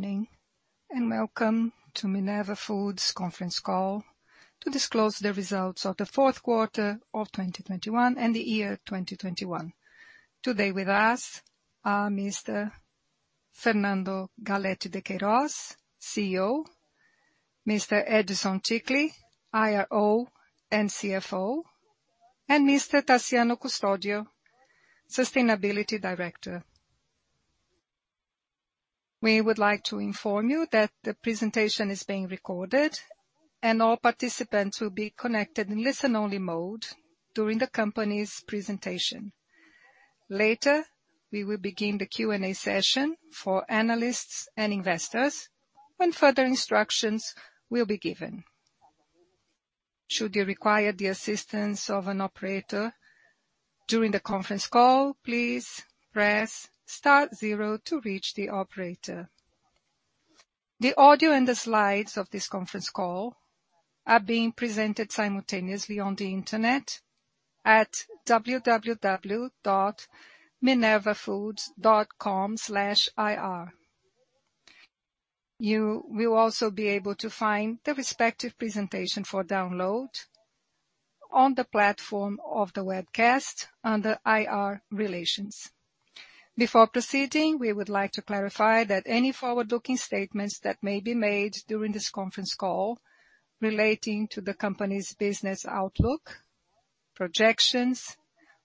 Morning, welcome to Minerva Foods conference call to disclose the results of the fourth quarter of 2021 and the year 2021. Today with us are Mr. Fernando Galletti de Queiroz, CEO, Mr. Edison Ticle, IRO and CFO, and Mr. Taciano Custódio, Sustainability Director. We would like to inform you that the presentation is being recorded, and all participants will be connected in listen-only mode during the company's presentation. Later, we will begin the Q&A session for analysts and investors when further instructions will be given. Should you require the assistance of an operator during the conference call, please press star zero to reach the operator. The audio and the slides of this conference call are being presented simultaneously on the internet at www.minervafoods.com/ir. You will also be able to find the respective presentation for download on the platform of the webcast under IR Relations. Before proceeding, we would like to clarify that any forward-looking statements that may be made during this conference call relating to the company's business outlook, projections,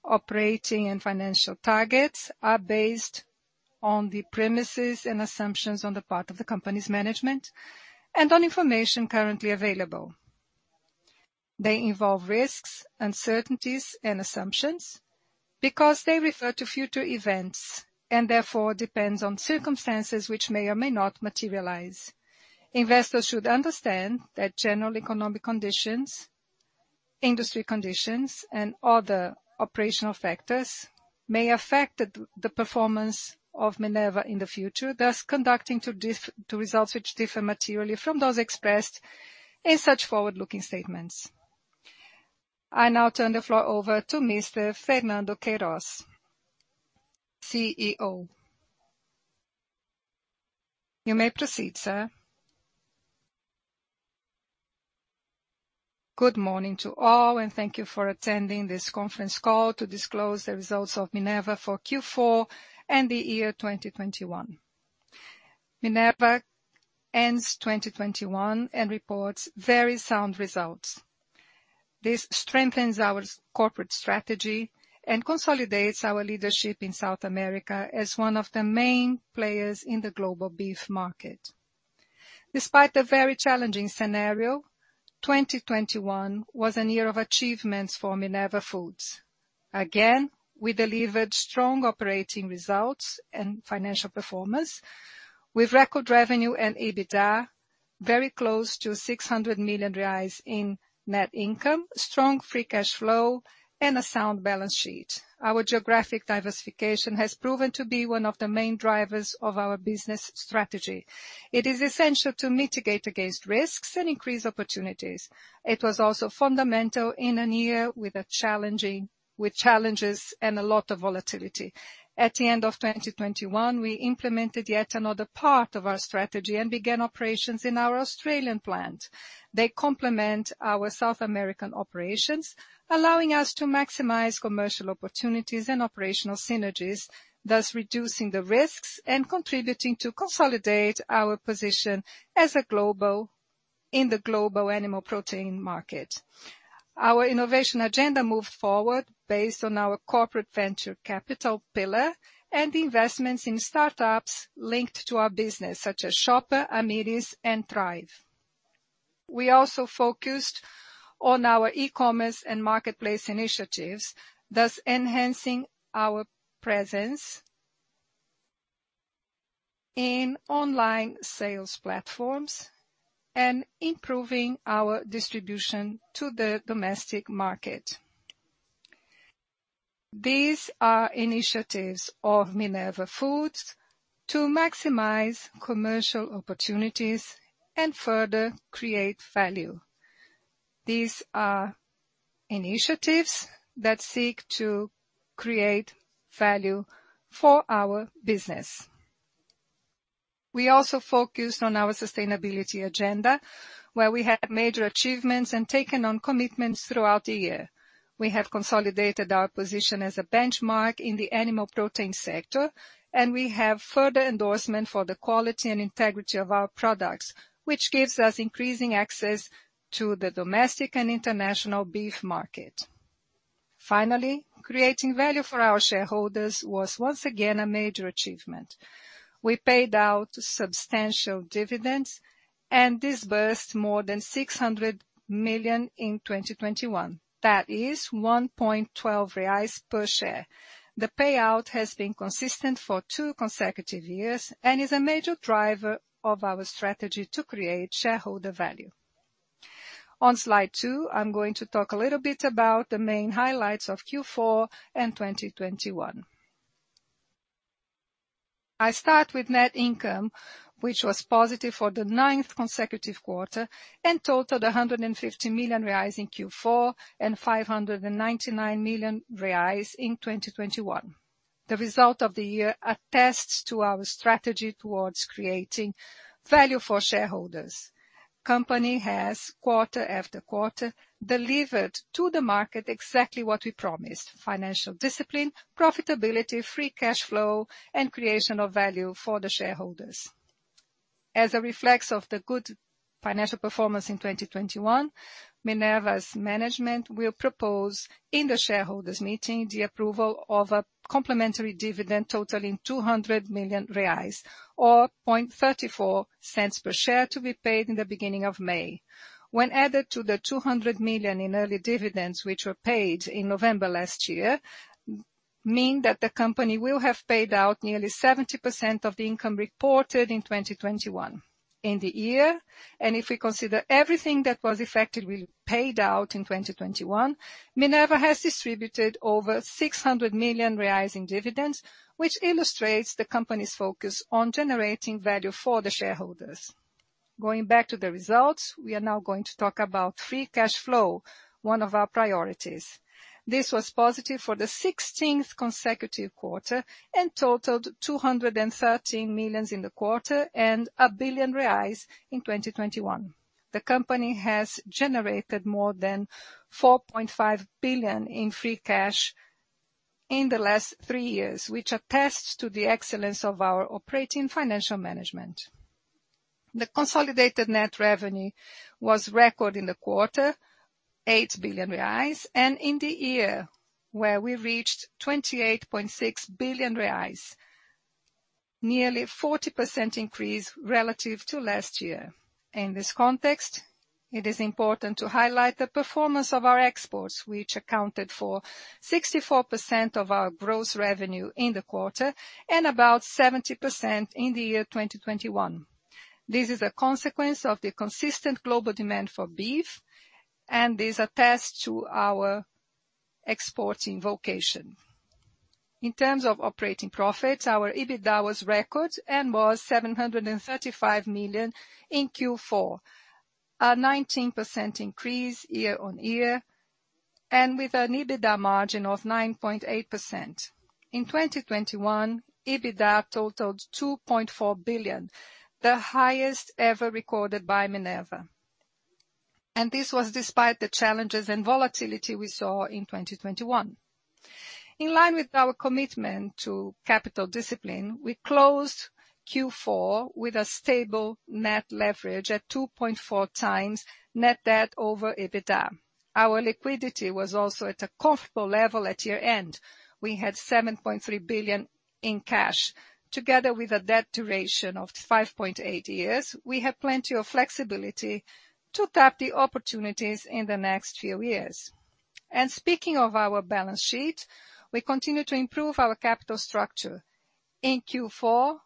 operating and financial targets, are based on the premises and assumptions on the part of the company's management and on information currently available. They involve risks, uncertainties and assumptions because they refer to future events, and therefore depend on circumstances which may or may not materialize. Investors should understand that general economic conditions, industry conditions, and other operational factors may affect the performance of Minerva in the future, thus leading to different results which differ materially from those expressed in such forward-looking statements. I now turn the floor over to Mr. Fernando Galletti de Queiroz, CEO. You may proceed, sir. Good morning to all, and thank you for attending this conference call to disclose the results of Minerva for Q4 and the year 2021. Minerva ends 2021 and reports very sound results. This strengthens our corporate strategy and consolidates our leadership in South America as one of the main players in the global beef market. Despite the very challenging scenario, 2021 was a year of achievements for Minerva Foods. Again, we delivered strong operating results and financial performance, with record revenue and EBITDA very close to 600 million reais in net income, strong free cash flow, and a sound balance sheet. Our geographic diversification has proven to be one of the main drivers of our business strategy. It is essential to mitigate against risks and increase opportunities. It was also fundamental in a year with challenges and a lot of volatility. At the end of 2021, we implemented yet another part of our strategy and began operations in our Australian plant. They complement our South American operations, allowing us to maximize commercial opportunities and operational synergies, thus reducing the risks and contributing to consolidate our position in the global animal protein market. Our innovation agenda moved forward based on our corporate venture capital pillar and investments in start-ups linked to our business, such as Shopper, Amyris, and Thrive. We also focused on our e-commerce and marketplace initiatives, thus enhancing our presence in online sales platforms and improving our distribution to the domestic market. These are initiatives of Minerva Foods to maximize commercial opportunities and further create value. These are initiatives that seek to create value for our business. We also focused on our sustainability agenda, where we had major achievements and taken on commitments throughout the year. We have consolidated our position as a benchmark in the animal protein sector, and we have further endorsement for the quality and integrity of our products, which gives us increasing access to the domestic and international beef market. Finally, creating value for our shareholders was once again a major achievement. We paid out substantial dividends and disbursed more than 600 million in 2021. That is 1.12 reais per share. The payout has been consistent for two consecutive years and is a major driver of our strategy to create shareholder value. On slide two, I'm going to talk a little bit about the main highlights of Q4 and 2021. I start with net income, which was positive for the ninth consecutive quarter and totaled 150 million reais in Q4 and 599 million reais in 2021. The result of the year attests to our strategy towards creating value for shareholders. Company has, quarter-after-quarter, delivered to the market exactly what we promised, financial discipline, profitability, free cash flow, and creation of value for the shareholders. As a reflection of the good financial performance in 2021, Minerva's management will propose in the shareholders meeting the approval of a complementary dividend totaling 200 million reais or 0.34 per share to be paid in the beginning of May. When added to the 200 million in early dividends which were paid in November last year, mean that the company will have paid out nearly 70% of the income reported in 2021. In the year, and if we consider everything that was effectively paid out in 2021, Minerva has distributed over 600 million reais in dividends, which illustrates the company's focus on generating value for the shareholders. Going back to the results, we are now going to talk about free cash flow, one of our priorities. This was positive for the 16th consecutive quarter and totaled 213 million in the quarter and 1 billion reais in 2021. The company has generated more than 4.5 billion in free cash in the last three years, which attests to the excellence of our operating financial management. The consolidated net revenue was a record in the quarter, 8 billion reais, and in the year, where we reached 28.6 billion reais, nearly 40% increase relative to last year. In this context, it is important to highlight the performance of our exports, which accounted for 64% of our gross revenue in the quarter and about 70% in the year 2021. This is a consequence of the consistent global demand for beef, and this attests to our exporting vocation. In terms of operating profits, our EBITDA was record and was 735 million in Q4, a 19% increase year-over-year and with an EBITDA margin of 9.8%. In 2021, EBITDA totaled 2.4 billion, the highest ever recorded by Minerva, and this was despite the challenges and volatility we saw in 2021. In line with our commitment to capital discipline, we closed Q4 with a stable net leverage at 2.4x net debt over EBITDA. Our liquidity was also at a comfortable level at year-end. We had 7.3 billion in cash. Together with a debt duration of 5.8 years, we have plenty of flexibility to tap the opportunities in the next few years. Speaking of our balance sheet, we continue to improve our capital structure. In Q4,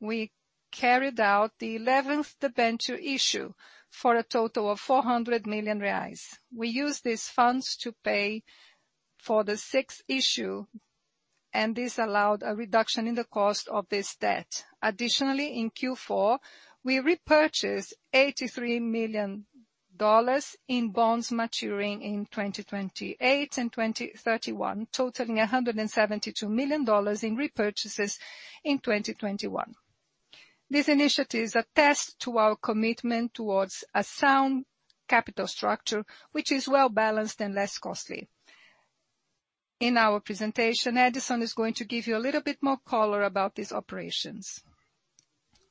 we carried out the 11th debenture issue for a total of 400 million reais. We used these funds to pay for the sixth issue, and this allowed a reduction in the cost of this debt. Additionally, in Q4, we repurchased $83 million in bonds maturing in 2028 and 2031, totaling $172 million in repurchases in 2021. These initiatives attest to our commitment towards a sound capital structure which is well-balanced and less costly. In our presentation, Edison is going to give you a little bit more color about these operations.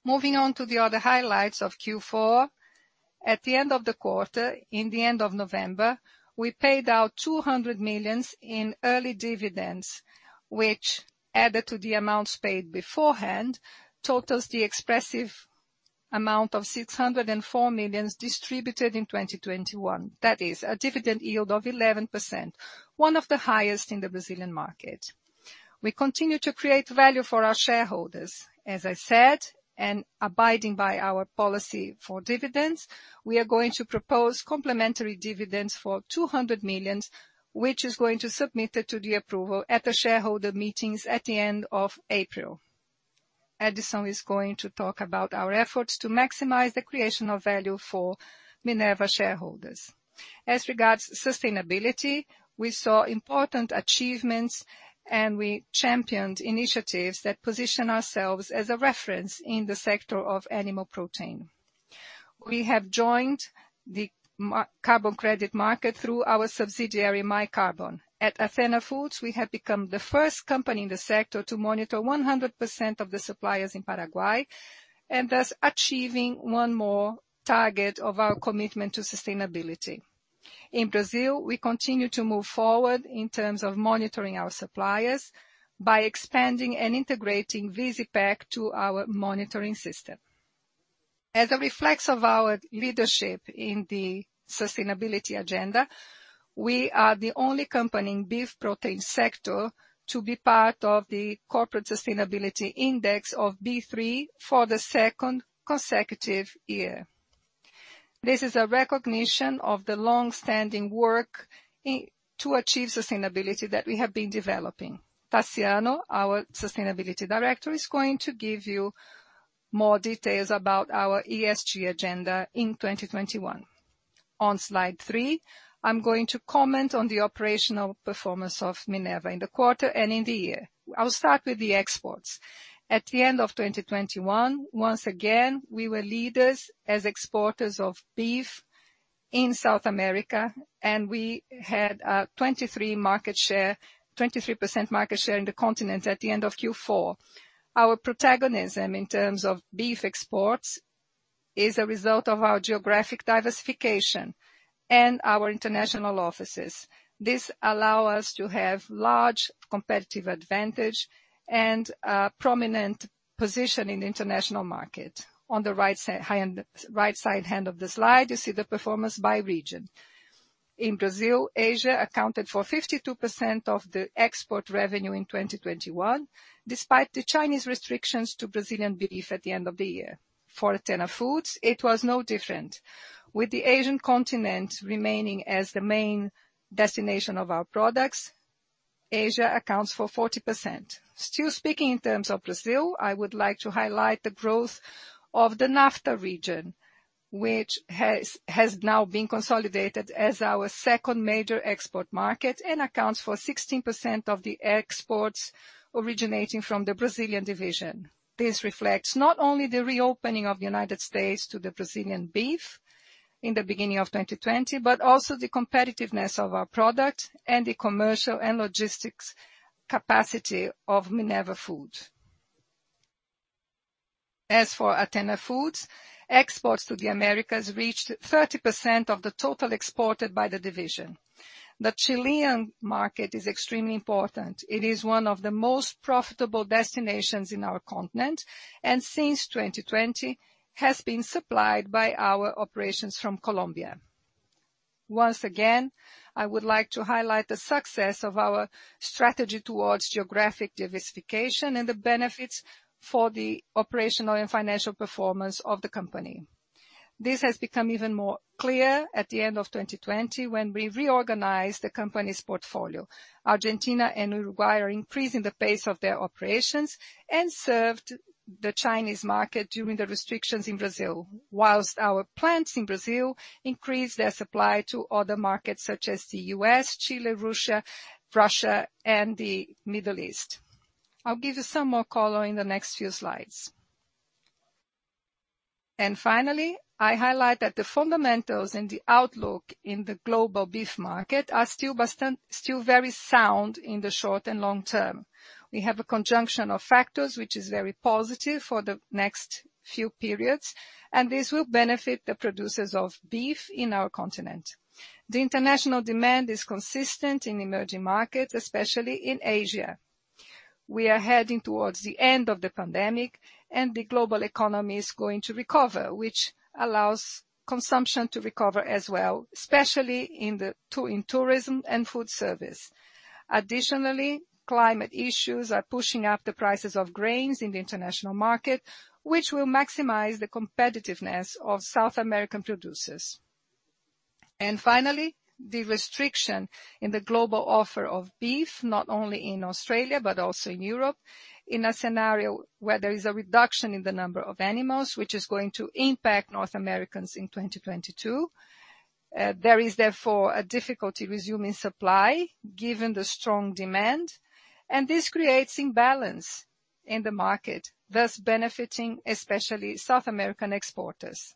Moving on to the other highlights of Q4, at the end of the quarter, in the end of November, we paid out 200 million in early dividends, which, added to the amounts paid beforehand, totals the expressive amount of 604 million distributed in 2021. That is a dividend yield of 11%, one of the highest in the Brazilian market. We continue to create value for our shareholders, as I said, and abiding by our policy for dividends, we are going to propose complementary dividends for 200 million, which is going to submit it to the approval at the shareholder meetings at the end of April. Edison is going to talk about our efforts to maximize the creation of value for Minerva shareholders. As regards sustainability, we saw important achievements, and we championed initiatives that position ourselves as a reference in the sector of animal protein. We have joined the carbon credit market through our subsidiary, MyCarbon. At Athena Foods, we have become the first company in the sector to monitor 100% of the suppliers in Paraguay and thus achieving one more target of our commitment to sustainability. In Brazil, we continue to move forward in terms of monitoring our suppliers by expanding and integrating Visipec to our monitoring system. As a reflex of our leadership in the sustainability agenda, we are the only company in beef protein sector to be part of the Corporate Sustainability Index of B3 for the second consecutive year. This is a recognition of the long-standing work to achieve sustainability that we have been developing. Taciano, our Director of Sustainability, is going to give you more details about our ESG agenda in 2021. On slide three, I'm going to comment on the operational performance of Minerva in the quarter and in the year. I'll start with the exports. At the end of 2021, once again, we were leaders as exporters of beef in South America, and we had 23% market share in the continent at the end of Q4. Our protagonism in terms of beef exports is a result of our geographic diversification and our international offices. This allow us to have large competitive advantage and prominent position in international market. On the right side of the slide, you see the performance by region. In Brazil, Asia accounted for 52% of the export revenue in 2021, despite the Chinese restrictions to Brazilian beef at the end of the year. For Athena Foods, it was no different, with the Asian continent remaining as the main destination of our products. Asia accounts for 40%. Still speaking in terms of Brazil, I would like to highlight the growth of the NAFTA region, which has now been consolidated as our second major export market and accounts for 16% of the exports originating from the Brazilian division. This reflects not only the reopening of United States to the Brazilian beef in the beginning of 2020, but also the competitiveness of our product and the commercial and logistics capacity of Minerva Foods. As for Athena Foods, exports to the Americas reached 30% of the total exported by the division. The Chilean market is extremely important. It is one of the most profitable destinations in our continent, and since 2020, has been supplied by our operations from Colombia. Once again, I would like to highlight the success of our strategy towards geographic diversification and the benefits for the operational and financial performance of the company. This has become even more clear at the end of 2020 when we reorganized the company's portfolio. Argentina and Uruguay are increasing the pace of their operations and served the Chinese market during the restrictions in Brazil, while our plants in Brazil increased their supply to other markets such as the U.S., Chile, Russia and the Middle East. I'll give you some more color in the next few slides. Finally, I highlight that the fundamentals and the outlook in the global beef market are still very sound in the short and long term. We have a conjunction of factors which is very positive for the next few periods, and this will benefit the producers of beef in our continent. The international demand is consistent in emerging markets, especially in Asia. We are heading towards the end of the pandemic, and the global economy is going to recover, which allows consumption to recover as well, especially in tourism and food service. Additionally, climate issues are pushing up the prices of grains in the international market, which will maximize the competitiveness of South American producers. Finally, the restriction in the global offer of beef, not only in Australia but also in Europe, in a scenario where there is a reduction in the number of animals, which is going to impact North Americans in 2022. There is therefore a difficulty resuming supply given the strong demand, and this creates imbalance in the market, thus benefiting especially South American exporters.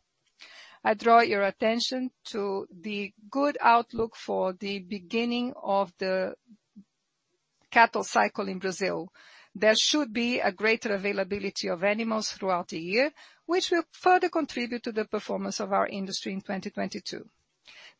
I draw your attention to the good outlook for the beginning of the cattle cycle in Brazil. There should be a greater availability of animals throughout the year, which will further contribute to the performance of our industry in 2022.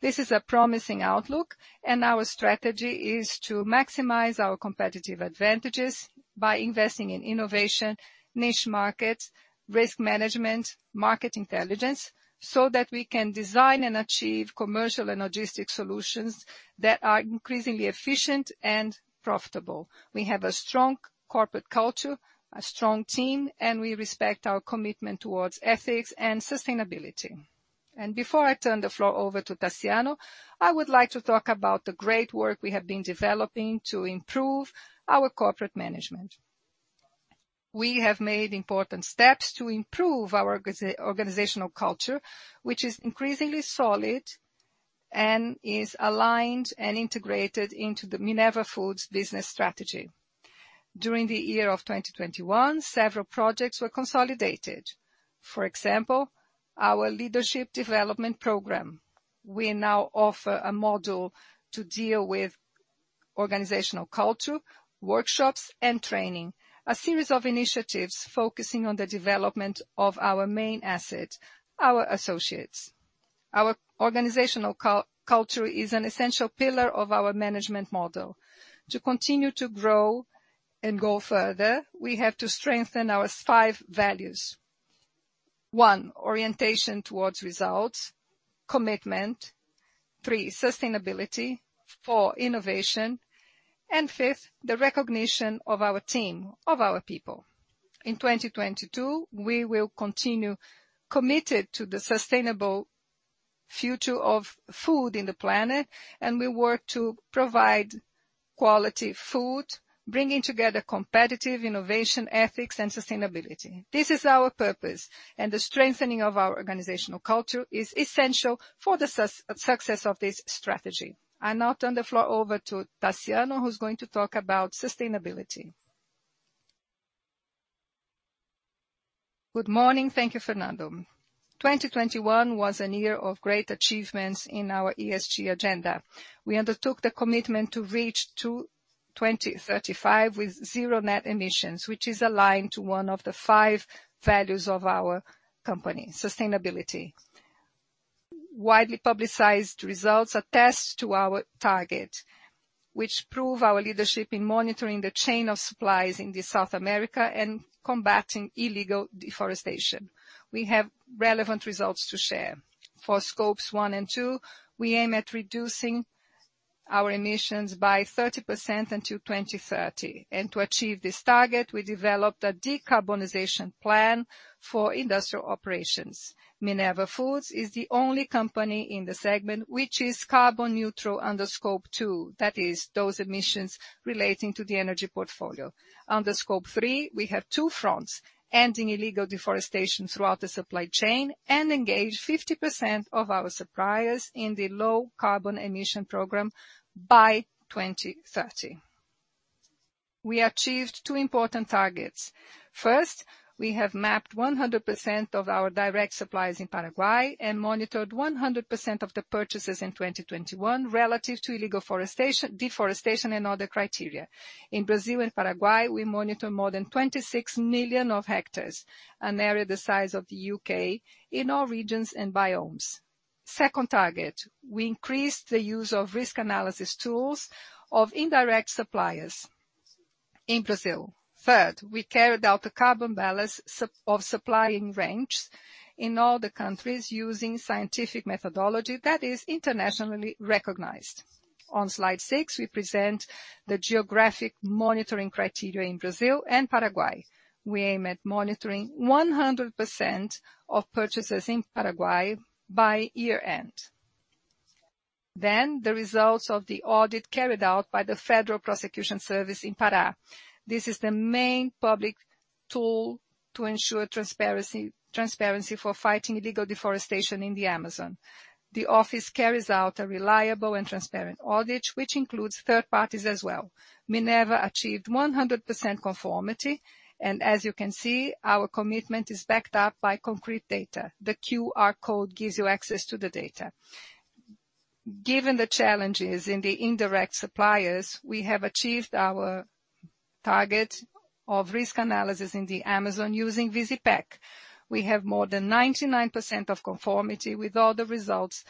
This is a promising outlook, and our strategy is to maximize our competitive advantages by investing in innovation, niche markets, risk management, market intelligence, so that we can design and achieve commercial and logistic solutions that are increasingly efficient and profitable. We have a strong corporate culture, a strong team, and we respect our commitment toward ethics and sustainability. Before I turn the floor over to Taciano, I would like to talk about the great work we have been developing to improve our corporate management. We have made important steps to improve our organizational culture, which is increasingly solid and is aligned and integrated into the Minerva Foods business strategy. During the year of 2021, several projects were consolidated. For example, our leadership development program. We now offer a module to deal with organizational culture, workshops and training. A series of initiatives focusing on the development of our main asset, our associates. Our organizational culture is an essential pillar of our management model. To continue to grow and go further, we have to strengthen our five values. One, orientation toward results. Two, Commitment. Three, sustainability. Four, innovation. Fifth, the recognition of our team, of our people. In 2022, we will continue committed to the sustainable future of food in the planet, and we work to provide quality food, bringing together competitive innovation, ethics, and sustainability. This is our purpose, and the strengthening of our organizational culture is essential for the success of this strategy. I now turn the floor over to Taciano, who's going to talk about sustainability. Good morning. Thank you, Fernando. 2021 was a year of great achievements in our ESG agenda. We undertook the commitment to reach to 2035 with zero net emissions, which is aligned to one of the five values of our company, sustainability. Widely publicized results attest to our target, which prove our leadership in monitoring the supply chain in South America and combating illegal deforestation. We have relevant results to share. For Scope 1 and 2, we aim at reducing our emissions by 30% until 2030. To achieve this target, we developed a decarbonization plan for industrial operations. Minerva Foods is the only company in the segment which is carbon neutral under Scope 2. That is, those emissions relating to the energy portfolio. Under Scope 3, we have two fronts, ending illegal deforestation throughout the supply chain and engage 50% of our suppliers in the low carbon emission program by 2030. We achieved two important targets. First, we have mapped 100% of our direct suppliers in Paraguay and monitored 100% of the purchases in 2021 relative to illegal deforestation and other criteria. In Brazil and Paraguay, we monitor more than 26 million hectares, an area the size of the U.K., in all regions and biomes. Second target, we increased the use of risk analysis tools of indirect suppliers in Brazil. Third, we carried out the carbon balance of supplying ranches in all the countries using scientific methodology that is internationally recognized. On slide six, we present the geographic monitoring criteria in Brazil and Paraguay. We aim at monitoring 100% of purchases in Paraguay by year-end. The results of the audit carried out by the Federal Prosecution Service in Pará. This is the main public tool to ensure transparency for fighting illegal deforestation in the Amazon. The office carries out a reliable and transparent audit, which includes third parties as well. Minerva achieved 100% conformity, and as you can see, our commitment is backed up by concrete data. The QR code gives you access to the data. Given the challenges in the indirect suppliers, we have achieved our target of risk analysis in the Amazon using Visipec. We have more than 99% of conformity with all the results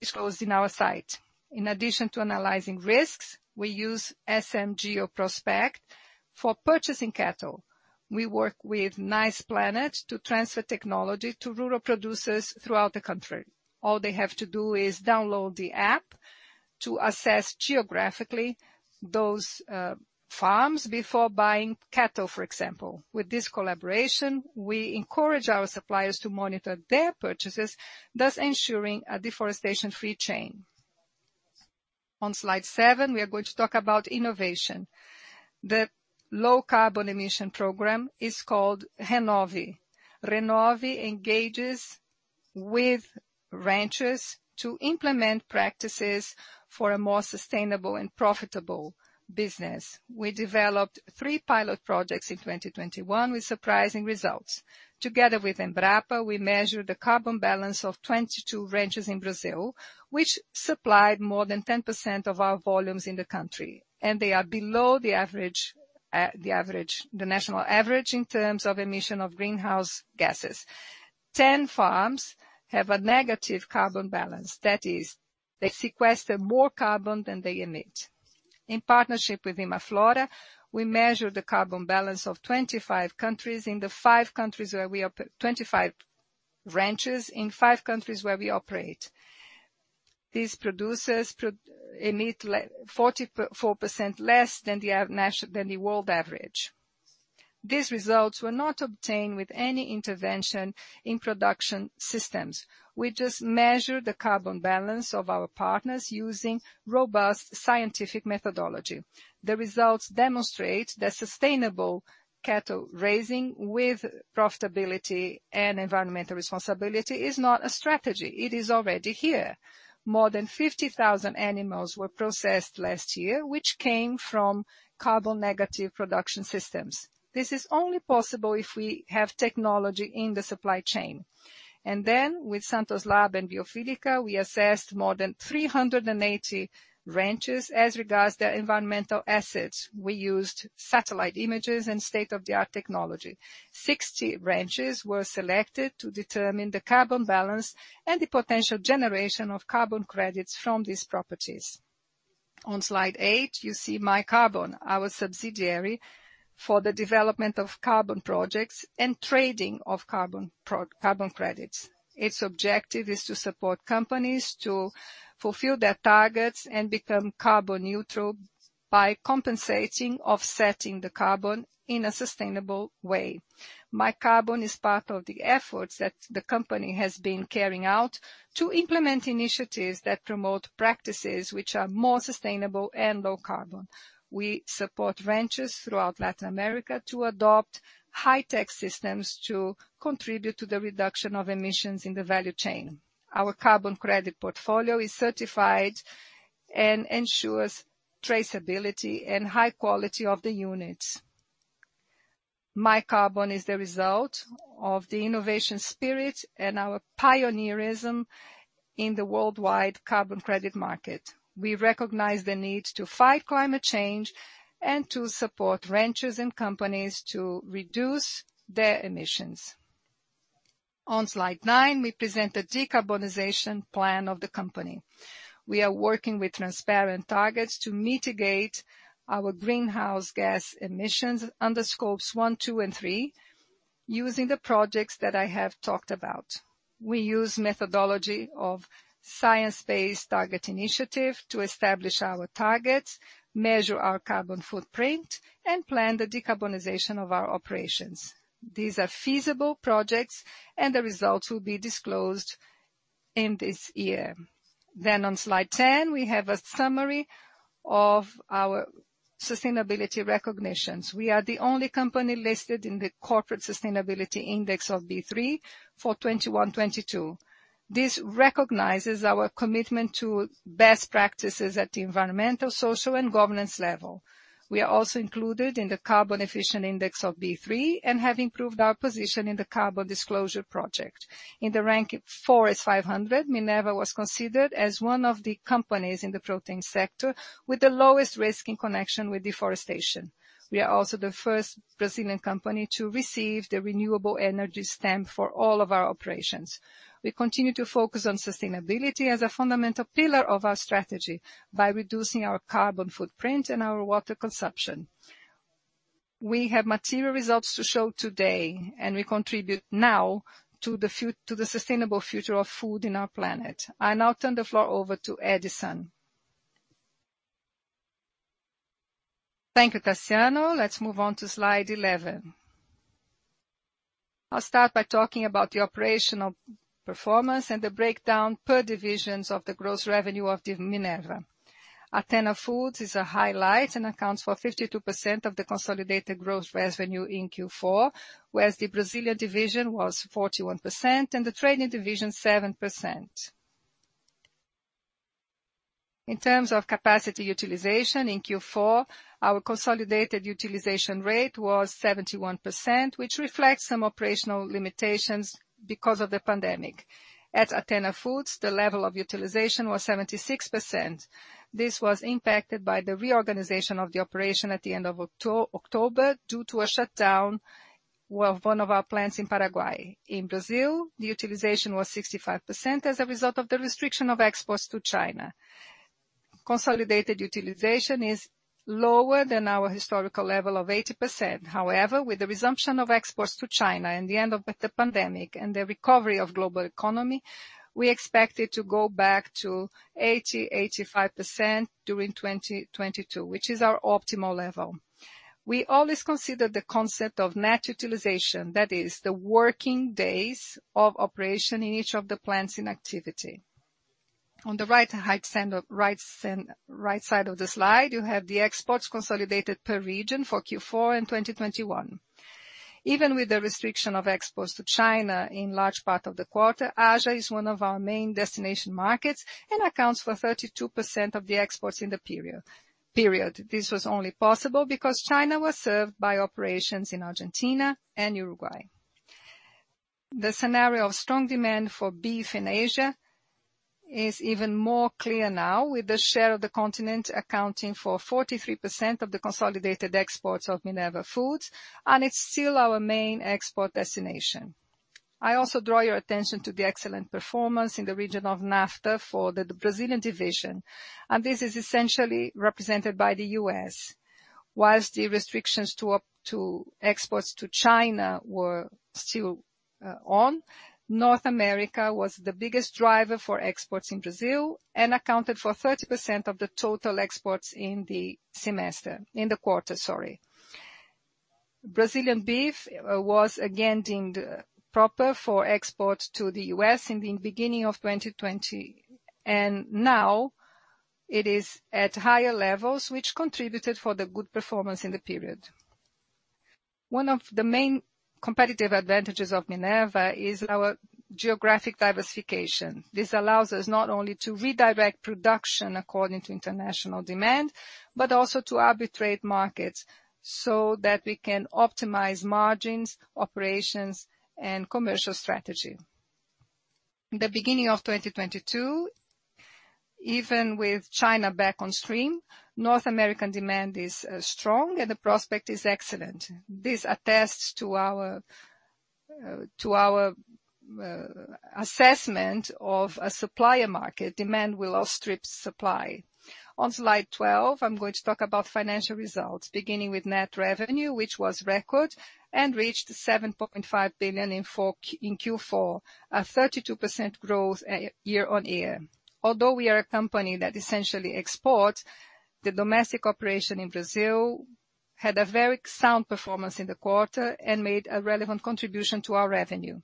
disclosed in our site. In addition to analyzing risks, we use SMGeo Prospec for purchasing cattle. We work with Niceplanet to transfer technology to rural producers throughout the country. All they have to do is download the app to assess geographically those farms before buying cattle, for example. With this collaboration, we encourage our suppliers to monitor their purchases, thus ensuring a deforestation-free chain. On slide seven, we are going to talk about innovation. The low-carbon emission program is called Renove. Renove engages with ranchers to implement practices for a more sustainable and profitable business. We developed 3 pilot projects in 2021 with surprising results. Together with Embrapa, we measured the carbon balance of 22 ranches in Brazil, which supplied more than 10% of our volumes in the country, and they are below the national average in terms of emission of greenhouse gases. 10 farms have a negative carbon balance. That is, they sequester more carbon than they emit. In partnership with Imaflora, we measure the carbon balance of 25 ranchers in five countries where we operate. These producers emit 4% less than the world average. These results were not obtained with any intervention in production systems. We just measure the carbon balance of our partners using robust scientific methodology. The results demonstrate that sustainable cattle raising with profitability and environmental responsibility is not a strategy. It is already here. More than 50,000 animals were processed last year, which came from carbon negative production systems. This is only possible if we have technology in the supply chain. With Santos Lab and Biofísica, we assessed more than 380 ranchers as regards their environmental assets. We used satellite images and state-of-the-art technology. 60 ranches were selected to determine the carbon balance and the potential generation of carbon credits from these properties. On slide eight, you see MyCarbon, our subsidiary for the development of carbon projects and trading of carbon credits. Its objective is to support companies to fulfill their targets and become carbon neutral by compensating, offsetting the carbon in a sustainable way. MyCarbon is part of the efforts that the company has been carrying out to implement initiatives that promote practices which are more sustainable and low carbon. We support ranchers throughout Latin America to adopt high-tech systems to contribute to the reduction of emissions in the value chain. Our carbon credit portfolio is certified and ensures traceability and high quality of the units. MyCarbon is the result of the innovation spirit and our pioneerism in the worldwide carbon credit market. We recognize the need to fight climate change and to support ranchers and companies to reduce their emissions. On slide nine, we present the decarbonization plan of the company. We are working with transparent targets to mitigate our greenhouse gas emissions under Scope 1, 2, and 3 using the projects that I have talked about. We use methodology of Science Based Targets initiative to establish our targets, measure our carbon footprint, and plan the decarbonization of our operations. These are feasible projects and the results will be disclosed in this year. On slide 10, we have a summary of our sustainability recognitions. We are the only company listed in the Corporate Sustainability Index of B3 for 2021, 2022. This recognizes our commitment to best practices at the environmental, social, and governance level. We are also included in the Carbon Efficient Index of B3 and have improved our position in the Carbon Disclosure Project. In the Forest 500, Minerva was considered as one of the companies in the protein sector with the lowest risk in connection with deforestation. We are also the first Brazilian company to receive the renewable energy stamp for all of our operations. We continue to focus on sustainability as a fundamental pillar of our strategy by reducing our carbon footprint and our water consumption. We have material results to show today, and we contribute now to the sustainable future of food in our planet. I now turn the floor over to Edison. Thank you, Taciano. Let's move on to slide 11. I'll start by talking about the operational performance and the breakdown per divisions of the gross revenue of Minerva. Athena Foods is a highlight and accounts for 52% of the consolidated gross revenue in Q4, whereas the Brazilian division was 41% and the trading division 7%. In terms of capacity utilization in Q4, our consolidated utilization rate was 71%, which reflects some operational limitations because of the pandemic. At Athena Foods, the level of utilization was 76%. This was impacted by the reorganization of the operation at the end of October due to a shutdown, one of our plants in Paraguay. In Brazil, the utilization was 65% as a result of the restriction of exports to China. Consolidated utilization is lower than our historical level of 80%. However, with the resumption of exports to China and the end of the pandemic and the recovery of global economy, we expect it to go back to 80%-85% during 2022, which is our optimal level. We always consider the concept of net utilization, that is the working days of operation in each of the plants in activity. On the right side of the slide, you have the exports consolidated per region for Q4 in 2021. Even with the restriction of exports to China in large part of the quarter, Asia is one of our main destination markets and accounts for 32% of the exports in the period. This was only possible because China was served by operations in Argentina and Uruguay. The scenario of strong demand for beef in Asia is even more clear now with the share of the continent accounting for 43% of the consolidated exports of Minerva Foods, and it's still our main export destination. I also draw your attention to the excellent performance in the region of NAFTA for the Brazilian division, and this is essentially represented by the U.S. While the restrictions to exports to China were still on, North America was the biggest driver for exports in Brazil and accounted for 30% of the total exports in the semester, in the quarter, sorry. Brazilian beef was again deemed proper for export to the U.S. in the beginning of 2020, and now it is at higher levels, which contributed for the good performance in the period. One of the main competitive advantages of Minerva is our geographic diversification. This allows us not only to redirect production according to international demand, but also to arbitrate markets so that we can optimize margins, operations, and commercial strategy. The beginning of 2022, even with China back on stream, North American demand is strong and the prospect is excellent. This attests to our assessment of a supplier market demand will outstrip supply. On slide 12, I'm going to talk about financial results, beginning with net revenue, which was record and reached 7.5 billion in Q4, a 32% growth year-on-year. Although we are a company that essentially exports, the domestic operation in Brazil had a very sound performance in the quarter and made a relevant contribution to our revenue.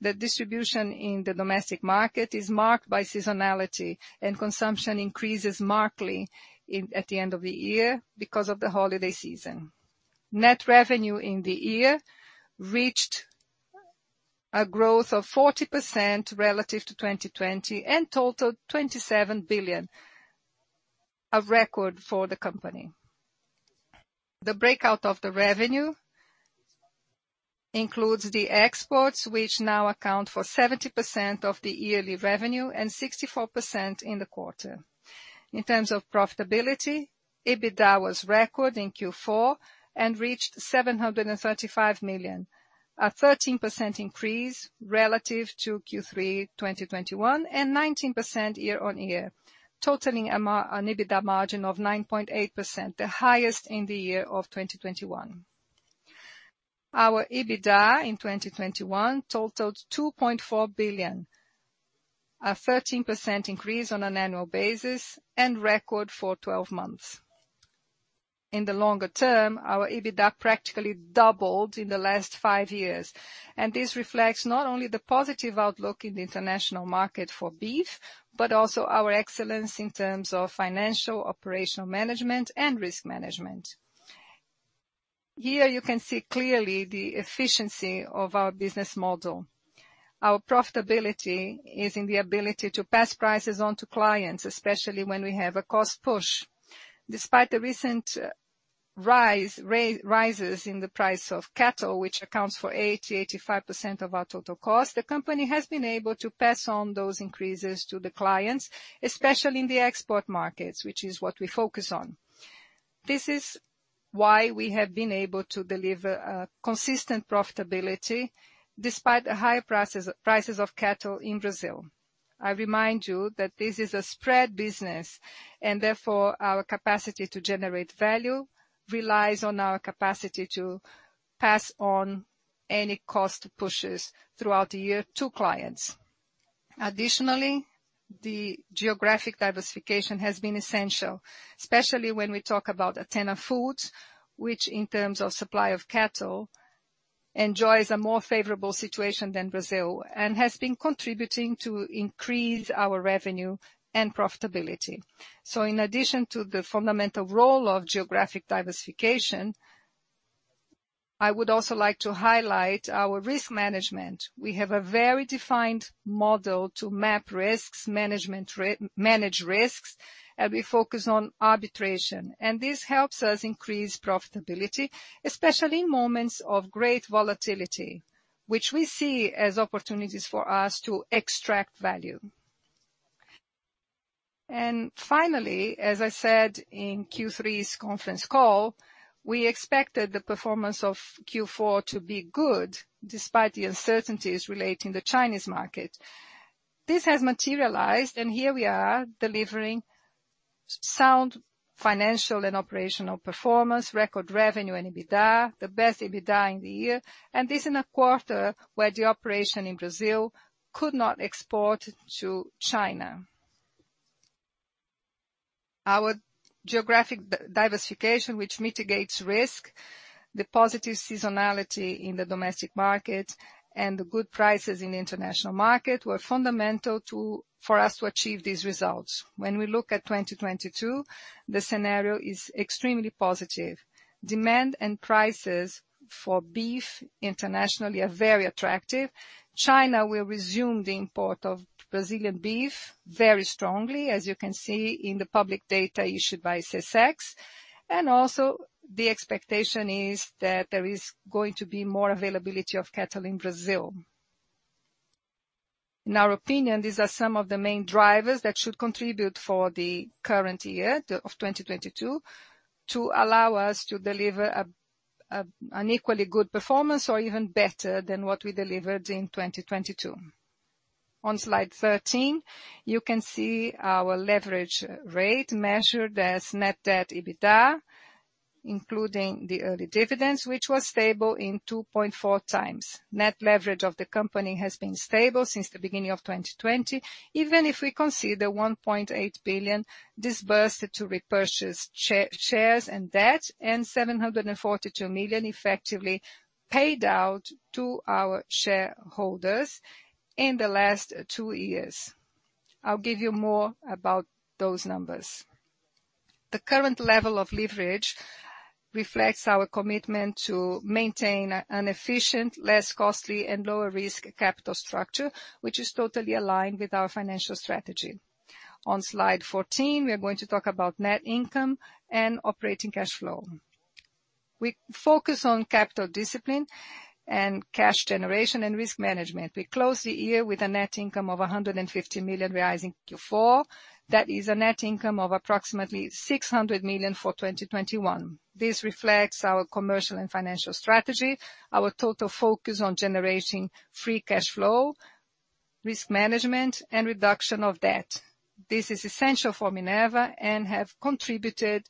The distribution in the domestic market is marked by seasonality, and consumption increases markedly in at the end of the year because of the holiday season. Net revenue in the year reached a growth of 40% relative to 2020, and totaled 27 billion, a record for the company. The breakdown of the revenue includes the exports, which now account for 70% of the yearly revenue and 64% in the quarter. In terms of profitability, EBITDA was record in Q4 and reached 735 million, a 13% increase relative to Q3 2021, and 19% year-on-year, totaling an EBITDA margin of 9.8%, the highest in the year of 2021. Our EBITDA in 2021 totaled 2.4 billion, a 13% increase on an annual basis, and a record for 12 months. In the longer term, our EBITDA practically doubled in the last five years, and this reflects not only the positive outlook in the international market for beef, but also our excellence in terms of financial operational management and risk management. Here, you can see clearly the efficiency of our business model. Our profitability is in the ability to pass prices on to clients, especially when we have a cost push. Despite the recent rises in the price of cattle, which accounts for 80%-85% of our total cost, the company has been able to pass on those increases to the clients, especially in the export markets, which is what we focus on. This is why we have been able to deliver consistent profitability despite the high prices of cattle in Brazil. I remind you that this is a spread business, and therefore, our capacity to generate value relies on our capacity to pass on any cost pushes throughout the year to clients. Additionally, the geographic diversification has been essential, especially when we talk about Athena Foods, which in terms of supply of cattle, enjoys a more favorable situation than Brazil and has been contributing to increase our revenue and profitability. In addition to the fundamental role of geographic diversification, I would also like to highlight our risk management. We have a very defined model to manage risks, and we focus on arbitration. This helps us increase profitability, especially in moments of great volatility, which we see as opportunities for us to extract value. Finally, as I said in Q3's conference call, we expected the performance of Q4 to be good despite the uncertainties relating to the Chinese market. This has materialized, and here we are delivering sound financial and operational performance, record revenue and EBITDA, the best EBITDA in the year, and this in a quarter where the operation in Brazil could not export to China. Our geographic diversification, which mitigates risk, the positive seasonality in the domestic market and the good prices in the international market were fundamental for us to achieve these results. When we look at 2022, the scenario is extremely positive. Demand and prices for beef internationally are very attractive. China will resume the import of Brazilian beef very strongly, as you can see in the public data issued by SECEX. Also the expectation is that there is going to be more availability of cattle in Brazil. In our opinion, these are some of the main drivers that should contribute for the current year of 2022, to allow us to deliver an equally good performance or even better than what we delivered in 2022. On slide 13, you can see our leverage rate measured as net debt EBITDA, including the early dividends, which was stable in 2.4x. Net leverage of the company has been stable since the beginning of 2020, even if we consider 1.8 billion disbursed to repurchase shares and debt, and 742 million effectively paid out to our shareholders in the last two years. I'll give you more about those numbers. The current level of leverage reflects our commitment to maintain an efficient, less costly and lower risk capital structure, which is totally aligned with our financial strategy. On slide 14, we are going to talk about net income and operating cash flow. We focus on capital discipline and cash generation and risk management. We close the year with a net income of 150 million in Q4. That is a net income of approximately 600 million for 2021. This reflects our commercial and financial strategy, our total focus on generating free cash flow, risk management and reduction of debt. This is essential for Minerva and have contributed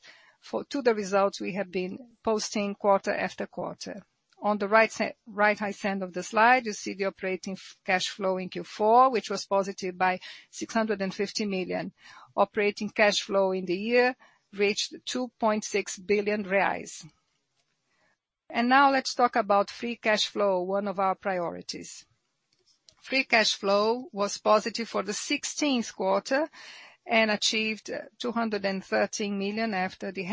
to the results we have been posting quarter-after-quarter. On the right-hand side of the slide, you see the operating cash flow in Q4, which was positive by 650 million. Operating cash flow in the year reached 2.6 billion reais. Now let's talk about free cash flow, one of our priorities. Free cash flow was positive for the 16th quarter and achieved 213 million after the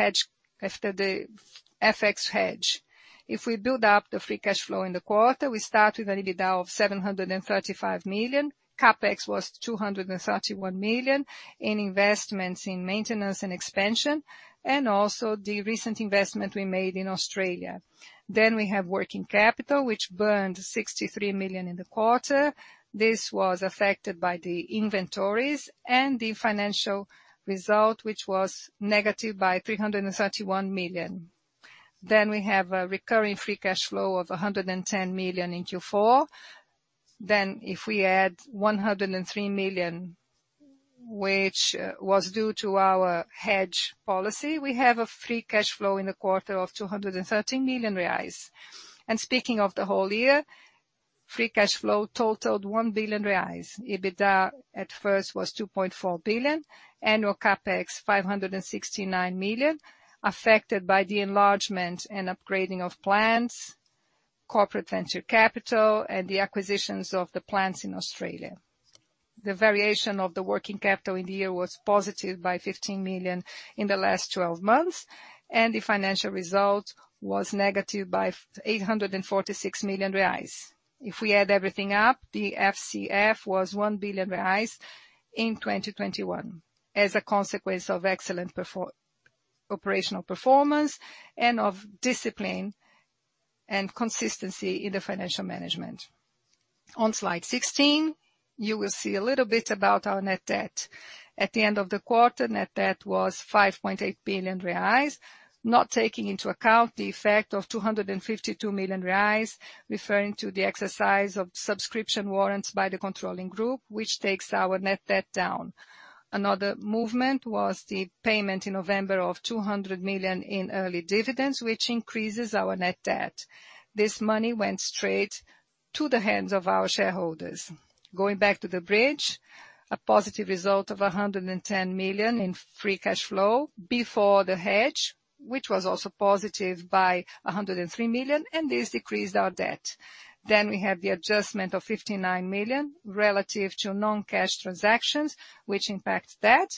FX hedge. If we build up the free cash flow in the quarter, we start with an EBITDA of 735 million. CapEx was 231 million in investments in maintenance and expansion and also the recent investment we made in Australia. We have working capital, which burned 63 million in the quarter. This was affected by the inventories and the financial result, which was negative by 331 million. We have a recurring free cash flow of 110 million in Q4. If we add 103 million, which was due to our hedge policy, we have a free cash flow in the quarter of 213 million reais. Speaking of the whole year, free cash flow totaled 1 billion reais. EBITDA at first was 2.4 billion. Annual CapEx, 569 million, affected by the enlargement and upgrading of plants, corporate venture capital and the acquisitions of the plants in Australia. The variation of the working capital in the year was positive by 15 million in the last twelve months, and the financial result was negative by 846 million reais. If we add everything up, the FCF was 1 billion reais in 2021 as a consequence of excellent operational performance and of discipline and consistency in the financial management. On slide 16, you will see a little bit about our net debt. At the end of the quarter, net debt was 5.8 billion reais, not taking into account the effect of 252 million reais, referring to the exercise of subscription warrants by the controlling group, which takes our net debt down. Another movement was the payment in November of 200 million in early dividends, which increases our net debt. This money went straight to the hands of our shareholders. Going back to the bridge, a positive result of 110 million in free cash flow before the hedge, which was also positive by 103 million, and this decreased our debt. We have the adjustment of 59 million relative to non-cash transactions which impact debt.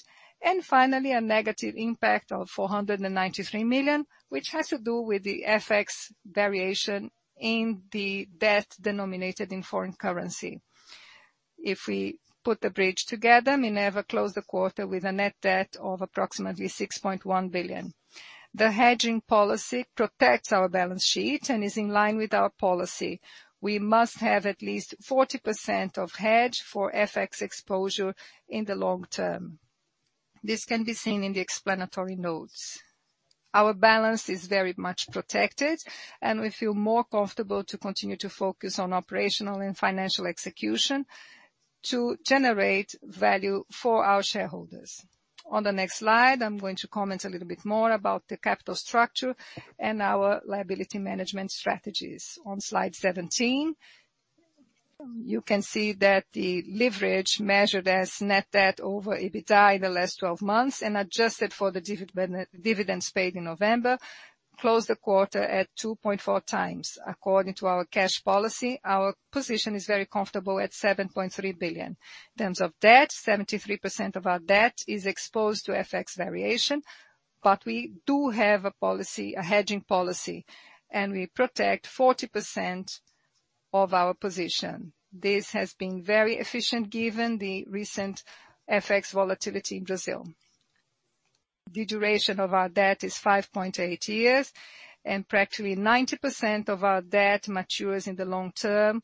Finally, a negative impact of 493 million, which has to do with the FX variation in the debt denominated in foreign currency. If we put the bridge together, Minerva closed the quarter with a net debt of approximately 6.1 billion. The hedging policy protects our balance sheet and is in line with our policy. We must have at least 40% of hedge for FX exposure in the long term. This can be seen in the explanatory notes. Our balance is very much protected, and we feel more comfortable to continue to focus on operational and financial execution to generate value for our shareholders. On the next slide, I'm going to comment a little bit more about the capital structure and our liability management strategies. On slide 17, you can see that the leverage measured as net debt over EBITDA in the last 12 months and adjusted for the dividends paid in November closed the quarter at 2.4x. According to our cash policy, our position is very comfortable at 7.3 billion. In terms of debt, 73% of our debt is exposed to FX variation, but we do have a policy, a hedging policy, and we protect 40% of our position. This has been very efficient given the recent FX volatility in Brazil. The duration of our debt is 5.8 years, and practically 90% of our debt matures in the long term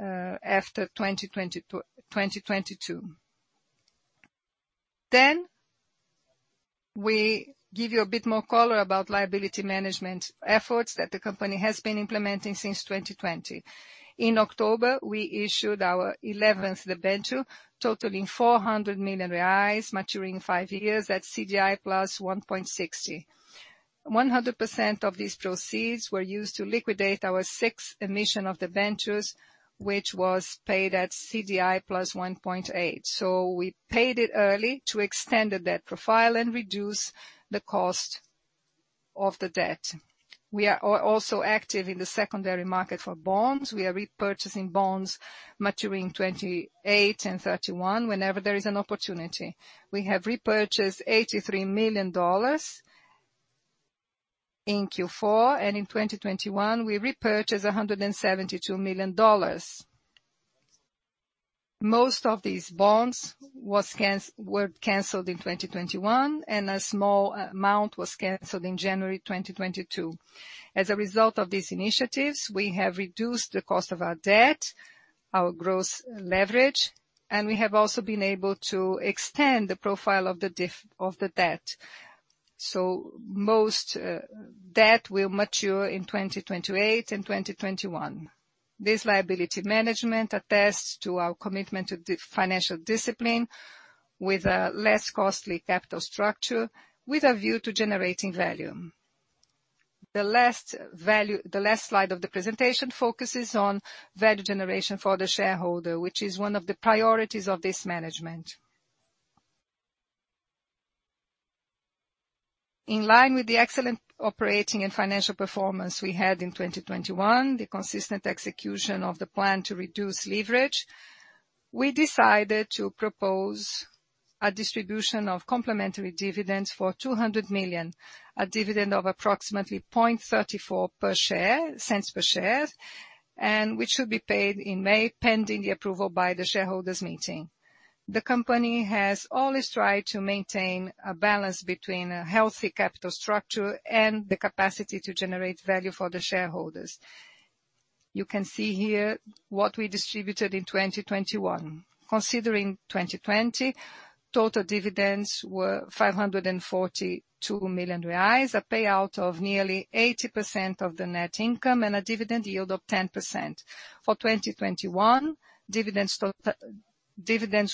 after 2022. We give you a bit more color about liability management efforts that the company has been implementing since 2020. In October, we issued our eleventh debenture totaling 400 million reais, maturing five years at CDI +1.60. 100% of these proceeds were used to liquidate our sixth emission of debentures, which was paid at CDI +1.8. We paid it early to extend the debt profile and reduce the cost of the debt. We are also active in the secondary market for bonds. We are repurchasing bonds maturing 2028 and 2031 whenever there is an opportunity. We have repurchased $83 million in Q4, and in 2021 we repurchased $172 million. Most of these bonds were canceled in 2021, and a small amount was canceled in January 2022. As a result of these initiatives, we have reduced the cost of our debt, our gross leverage, and we have also been able to extend the profile of the debt. Most debt will mature in 2028 and 2021. This liability management attests to our commitment to financial discipline with a less costly capital structure with a view to generating value. The last slide of the presentation focuses on value generation for the shareholder, which is one of the priorities of this management. In line with the excellent operating and financial performance we had in 2021, the consistent execution of the plan to reduce leverage, we decided to propose a distribution of complementary dividends for 200 million. A dividend of approximately 0.34 per share, and which should be paid in May, pending the approval by the shareholders' meeting. The company has always tried to maintain a balance between a healthy capital structure and the capacity to generate value for the shareholders. You can see here what we distributed in 2021. Considering 2020, total dividends were 542 million reais, a payout of nearly 80% of the net income, and a dividend yield of 10%. For 2021, dividends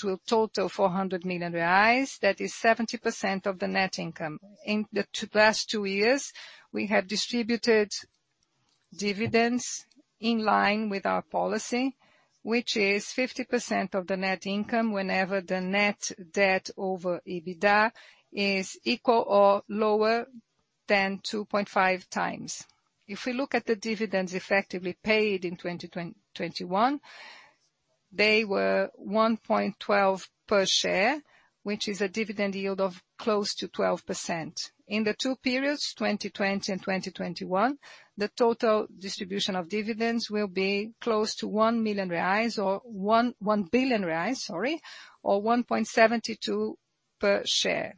will total 400 million reais, that is 70% of the net income. In the past two years, we have distributed dividends in line with our policy, which is 50% of the net income whenever the net debt over EBITDA is equal or lower than 2.5x. If we look at the dividends effectively paid in 2021, they were 1.12 per share, which is a dividend yield of close to 12%. In the two periods, 2020 and 2021, the total distribution of dividends will be close to 1 million reais or 1 billion reais, sorry, or 1.72 per share.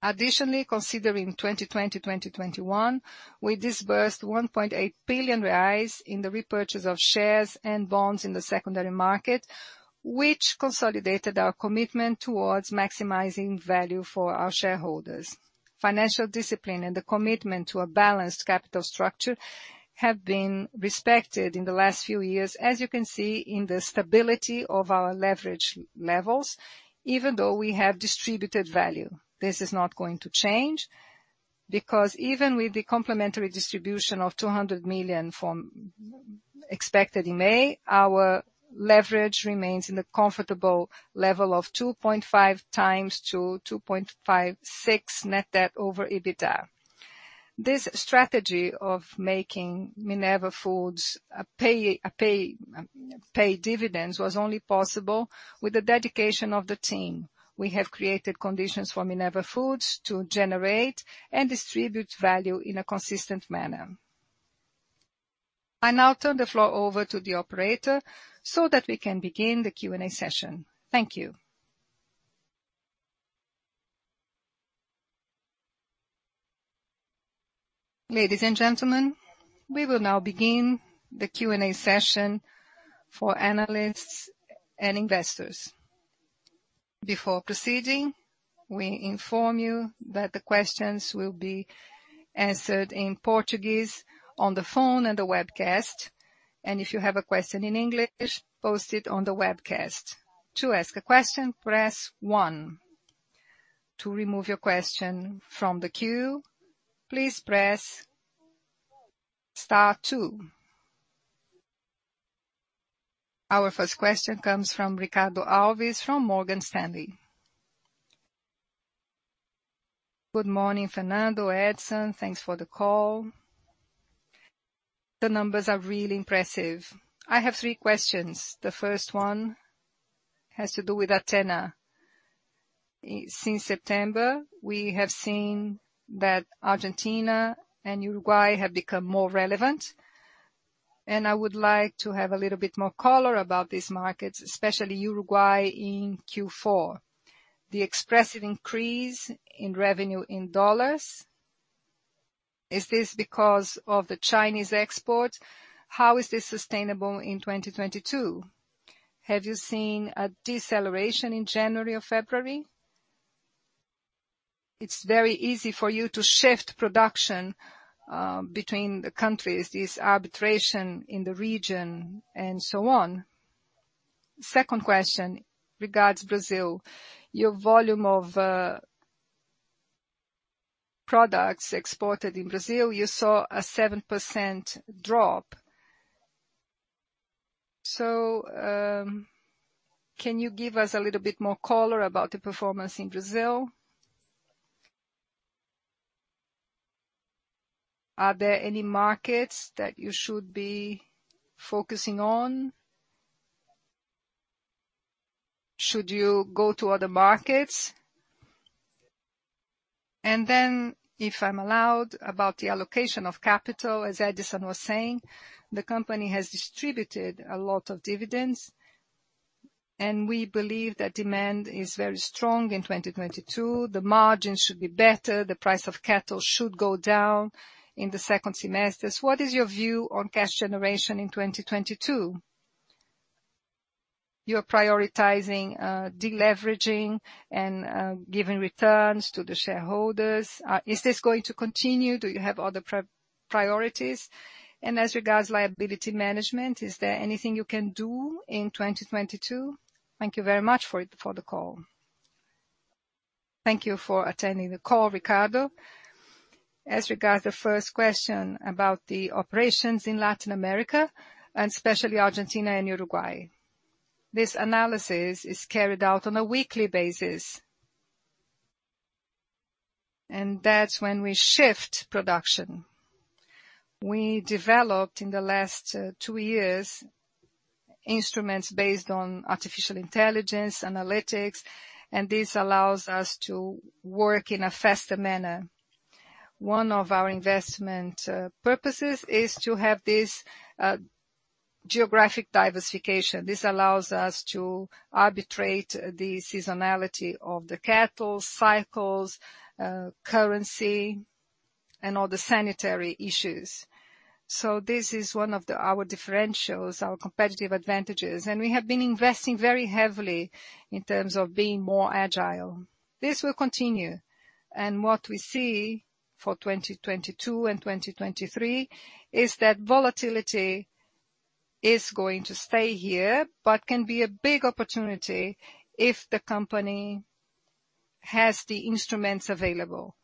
Additionally, considering 2020, 2021, we disbursed 1.8 billion reais in the repurchase of shares and bonds in the secondary market, which consolidated our commitment towards maximizing value for our shareholders. Financial discipline and the commitment to a balanced capital structure have been respected in the last few years, as you can see in the stability of our leverage levels, even though we have distributed value. This is not going to change, because even with the complementary distribution of 200 million from, expected in May, our leverage remains in the comfortable level of 2.5x-2.56x net debt over EBITDA. This strategy of making Minerva Foods a payer of dividends was only possible with the dedication of the team. We have created conditions for Minerva Foods to generate and distribute value in a consistent manner. I now turn the floor over to the operator so that we can begin the Q&A session. Thank you. Ladies and gentlemen, we will now begin the Q&A session for analysts and investors. Before proceeding, we inform you that the questions will be answered in Portuguese on the phone and the webcast. If you have a question in English, post it on the webcast. To ask a question, press one. To remove your question from the queue, please press star two. Our first question comes from Ricardo Alves, from Morgan Stanley. Good morning, Fernando, Edison. Thanks for the call. The numbers are really impressive. I have three questions. The first one has to do with Athena. Since September, we have seen that Argentina and Uruguay have become more relevant, and I would like to have a little bit more color about these markets, especially Uruguay in Q4. The expressive increase in revenue in dollars, is this because of the Chinese export? How is this sustainable in 2022? Have you seen a deceleration in January or February? It's very easy for you to shift production between the countries, this arbitration in the region and so on. Second question regards Brazil. Your volume of products exported in Brazil, you saw a 7% drop. Can you give us a little bit more color about the performance in Brazil? Are there any markets that you should be focusing on? Should you go to other markets? If I'm allowed, about the allocation of capital, as Edison was saying, the company has distributed a lot of dividends, and we believe that demand is very strong in 2022. The margins should be better. The price of cattle should go down in the second semester. What is your view on cash generation in 2022? You're prioritizing de-leveraging and giving returns to the shareholders. Is this going to continue? Do you have other priorities? As regards liability management, is there anything you can do in 2022? Thank you very much for the call. Thank you for attending the call, Ricardo. As regards the first question about the operations in Latin America, and especially Argentina and Uruguay. This analysis is carried out on a weekly basis. That's when we shift production. We developed, in the last 2 years, instruments based on artificial intelligence, analytics, and this allows us to work in a faster manner. One of our investment purposes is to have this geographic diversification. This allows us to arbitrate the seasonality of the cattle cycles, currency, and all the sanitary issues. This is one of our differentials, our competitive advantages. We have been investing very heavily in terms of being more agile. This will continue. What we see for 2022 and 2023 is that volatility is going to stay here, but can be a big opportunity if the company has the instruments available.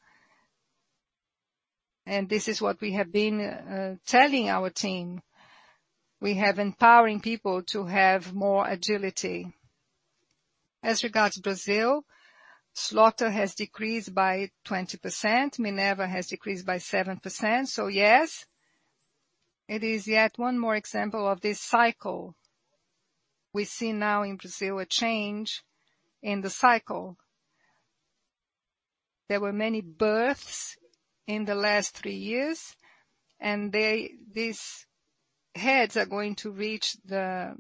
This is what we have been telling our team. We have empowering people to have more agility. As regards Brazil, slaughter has decreased by 20%, Minerva has decreased by 7%. Yes, it is yet one more example of this cycle. We see now in Brazil a change in the cycle. There were many births in the last three years, and these heads are going to reach the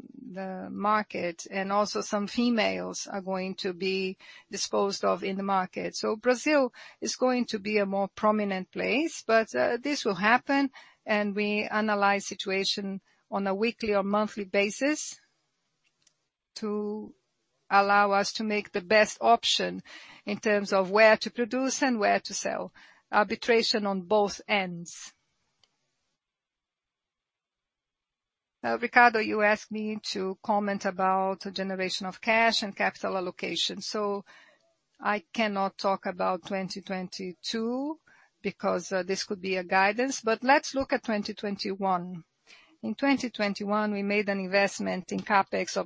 market, and also some females are going to be disposed of in the market. Brazil is going to be a more prominent place, but this will happen, and we analyze situation on a weekly or monthly basis to allow us to make the best option in terms of where to produce and where to sell. Arbitration on both ends. Ricardo, you asked me to comment about generation of cash and capital allocation. I cannot talk about 2022 because this could be a guidance, but let's look at 2021. In 2021, we made an investment in CapEx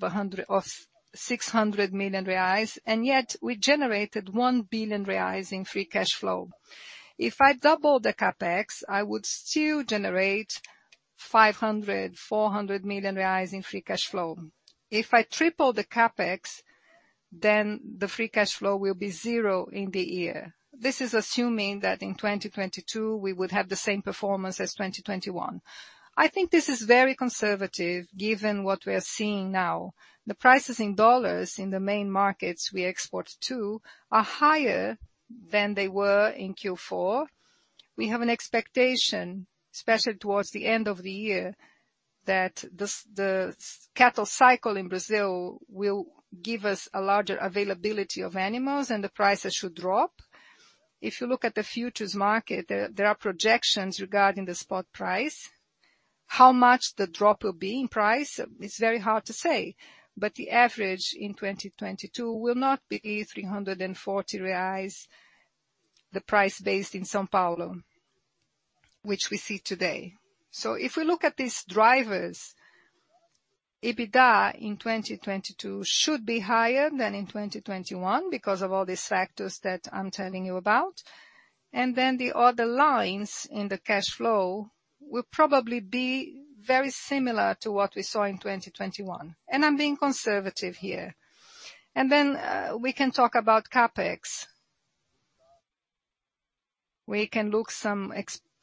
of 600 million reais, and yet we generated 1 billion reais in free cash flow. If I double the CapEx, I would still generate 500 million-400 million reais in free cash flow. If I triple the CapEx, then the free cash flow will be zero in the year. This is assuming that in 2022 we would have the same performance as 2021. I think this is very conservative given what we're seeing now. The prices in dollars in the main markets we export to are higher than they were in Q4. We have an expectation, especially towards the end of the year, that the cattle cycle in Brazil will give us a larger availability of animals and the prices should drop. If you look at the futures market, there are projections regarding the spot price. How much the drop will be in price, it's very hard to say, but the average in 2022 will not be 340 reais, the price based in São Paulo, which we see today. If we look at these drivers, EBITDA in 2022 should be higher than in 2021 because of all these factors that I'm telling you about. The other lines in the cash flow will probably be very similar to what we saw in 2021. I'm being conservative here. We can talk about CapEx. We can look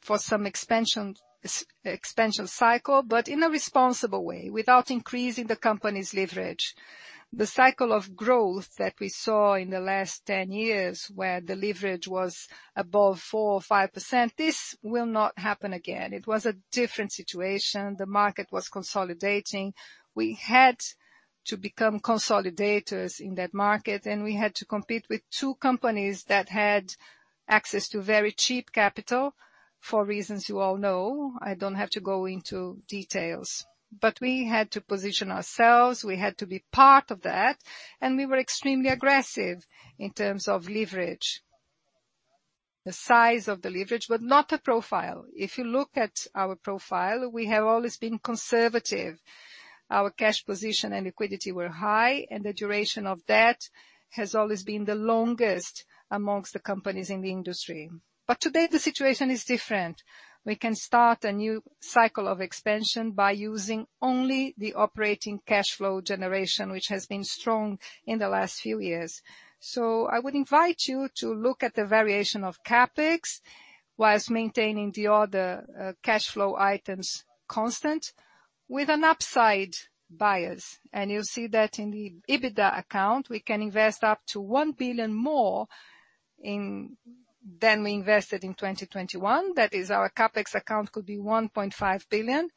for some expansion cycle, but in a responsible way, without increasing the company's leverage. The cycle of growth that we saw in the last 10 years, where the leverage was above 4% or 5%, this will not happen again. It was a different situation. The market was consolidating. We had to become consolidators in that market, and we had to compete with two companies that had access to very cheap capital, for reasons you all know. I don't have to go into details. We had to position ourselves, we had to be part of that, and we were extremely aggressive in terms of leverage. The size of the leverage, but not the profile. If you look at our profile, we have always been conservative. Our cash position and liquidity were high, and the duration of debt has always been the longest among the companies in the industry. Today, the situation is different. We can start a new cycle of expansion by using only the operating cash flow generation, which has been strong in the last few years. I would invite you to look at the variation of CapEx while maintaining the other, cash flow items constant with an upside bias. You'll see that in the EBITDA account, we can invest up to 1 billion more than we invested in 2021. That is, our CapEx account could be 1.5 billion.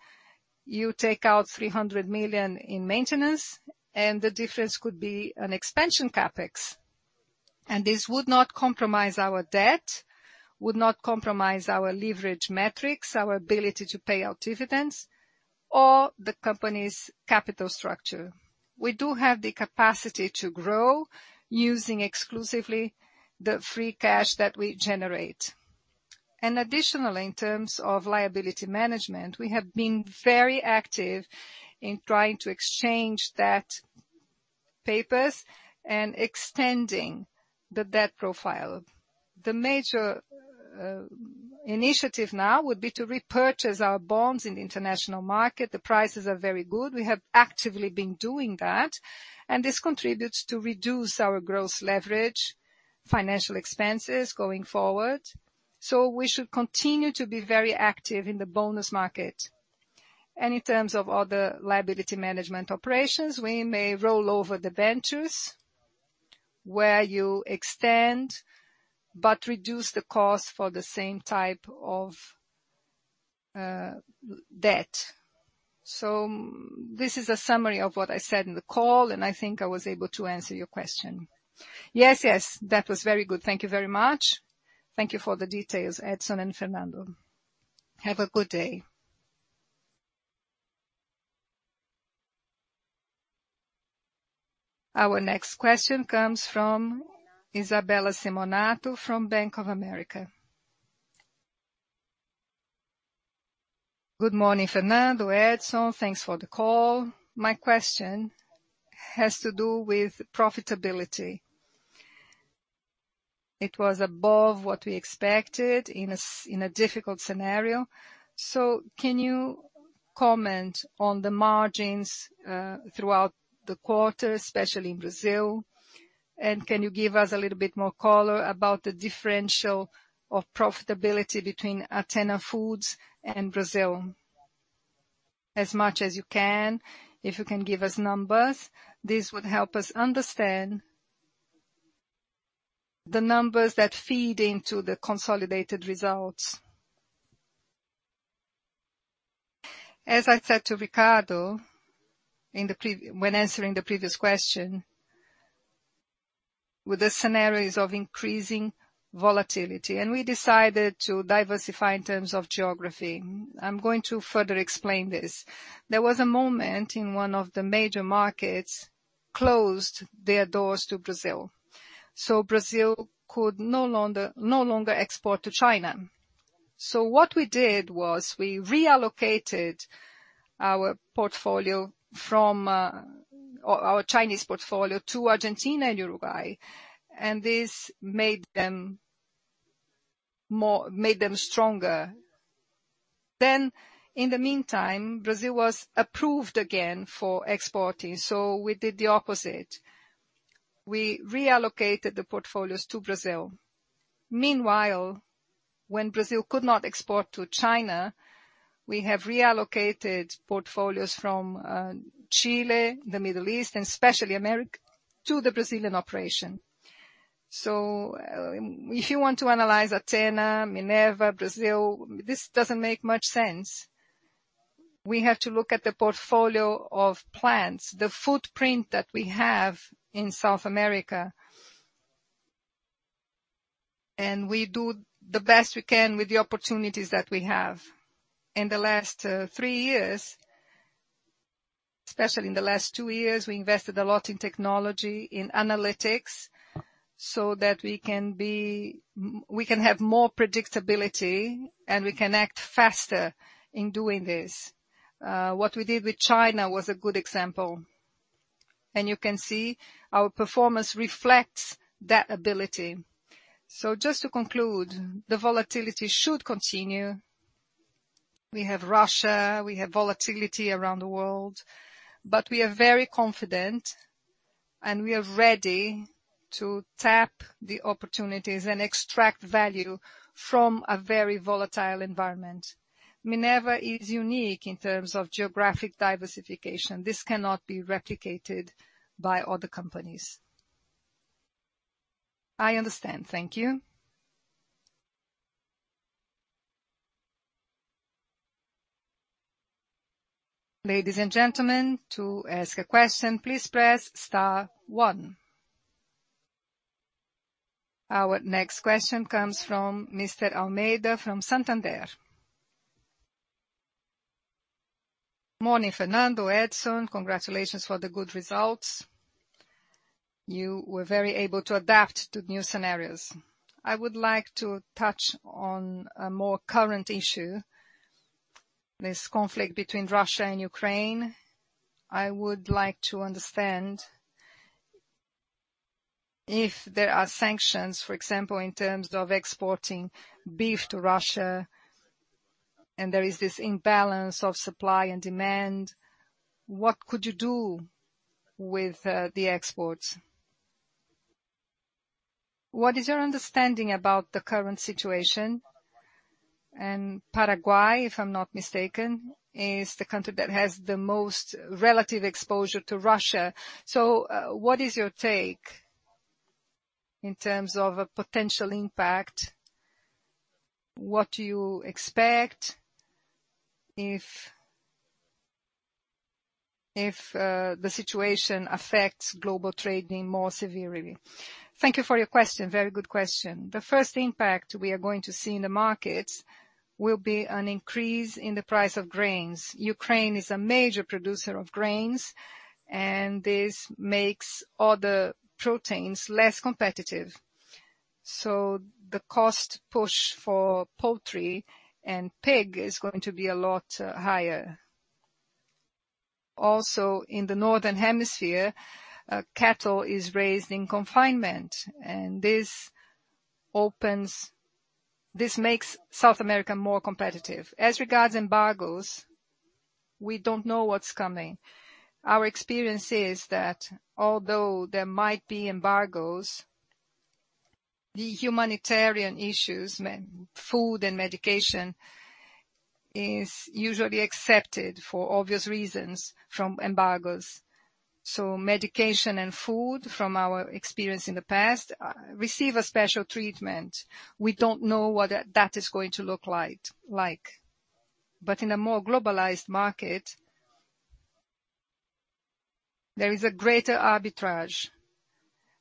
You take out 300 million in maintenance, and the difference could be an expansion CapEx. This would not compromise our debt, would not compromise our leverage metrics, our ability to pay out dividends or the company's capital structure. We do have the capacity to grow using exclusively the free cash that we generate. Additionally, in terms of liability management, we have been very active in trying to exchange debt papers and extending the debt profile. The major initiative now would be to repurchase our bonds in the international market. The prices are very good. We have actively been doing that, and this contributes to reduce our gross leverage, financial expenses going forward. We should continue to be very active in the bond market. In terms of other liability management operations, we may roll over the debentures whereby you extend but reduce the cost for the same type of debt. This is a summary of what I said in the call, and I think I was able to answer your question. Yes, that was very good. Thank you very much. Thank you for the details, Edison and Fernando. Have a good day. Our next question comes from Isabella Simonato from Bank of America. Good morning, Fernando, Edison. Thanks for the call. My question has to do with profitability. It was above what we expected in a difficult scenario. Can you comment on the margins throughout the quarter, especially in Brazil? Can you give us a little bit more color about the differential of profitability between Athena Foods and Brazil? As much as you can. If you can give us numbers, this would help us understand the numbers that feed into the consolidated results. As I said to Ricardo when answering the previous question, with the scenarios of increasing volatility, and we decided to diversify in terms of geography. I'm going to further explain this. There was a moment when one of the major markets closed their doors to Brazil, so Brazil could no longer export to China. What we did was we reallocated our portfolio from our Chinese portfolio to Argentina and Uruguay, and this made them stronger. In the meantime, Brazil was approved again for exporting, so we did the opposite. We reallocated the portfolios to Brazil. Meanwhile, when Brazil could not export to China, we have reallocated portfolios from Chile, the Middle East, and especially to the Brazilian operation. If you want to analyze Athena, Minerva, Brazil, this doesn't make much sense. We have to look at the portfolio of plants, the footprint that we have in South America. We do the best we can with the opportunities that we have. In the last three years, especially in the last two years, we invested a lot in technology, in analytics, so that we can have more predictability, and we can act faster in doing this. What we did with China was a good example. You can see our performance reflects that ability. Just to conclude, the volatility should continue. We have Russia. We have volatility around the world. We are very confident, and we are ready to tap the opportunities and extract value from a very volatile environment. Minerva is unique in terms of geographic diversification. This cannot be replicated by other companies. I understand. Thank you. Ladies and gentleman, to ask a question please press star one Morning, Fernando, Edison. Congratulations for the good results. You were very able to adapt to new scenarios. I would like to touch on a more current issue, this conflict between Russia and Ukraine. I would like to understand if there are sanctions, for example, in terms of exporting beef to Russia and there is this imbalance of supply and demand, what could you do with the exports? What is your understanding about the current situation? Paraguay, if I'm not mistaken, is the country that has the most relative exposure to Russia. What is your take in terms of a potential impact? What do you expect if the situation affects global trading more severely. Thank you for your question. Very good question. The first impact we are going to see in the markets will be an increase in the price of grains. Ukraine is a major producer of grains, and this makes other proteins less competitive. The cost push for poultry and pig is going to be a lot higher. In the northern hemisphere, cattle is raised in confinement, and this makes South America more competitive. As regards embargoes, we don't know what's coming. Our experience is that although there might be embargoes, the humanitarian issues, food and medication, is usually accepted for obvious reasons from embargoes. Medication and food from our experience in the past receive a special treatment. We don't know what that is going to look like. In a more globalized market, there is a greater arbitrage,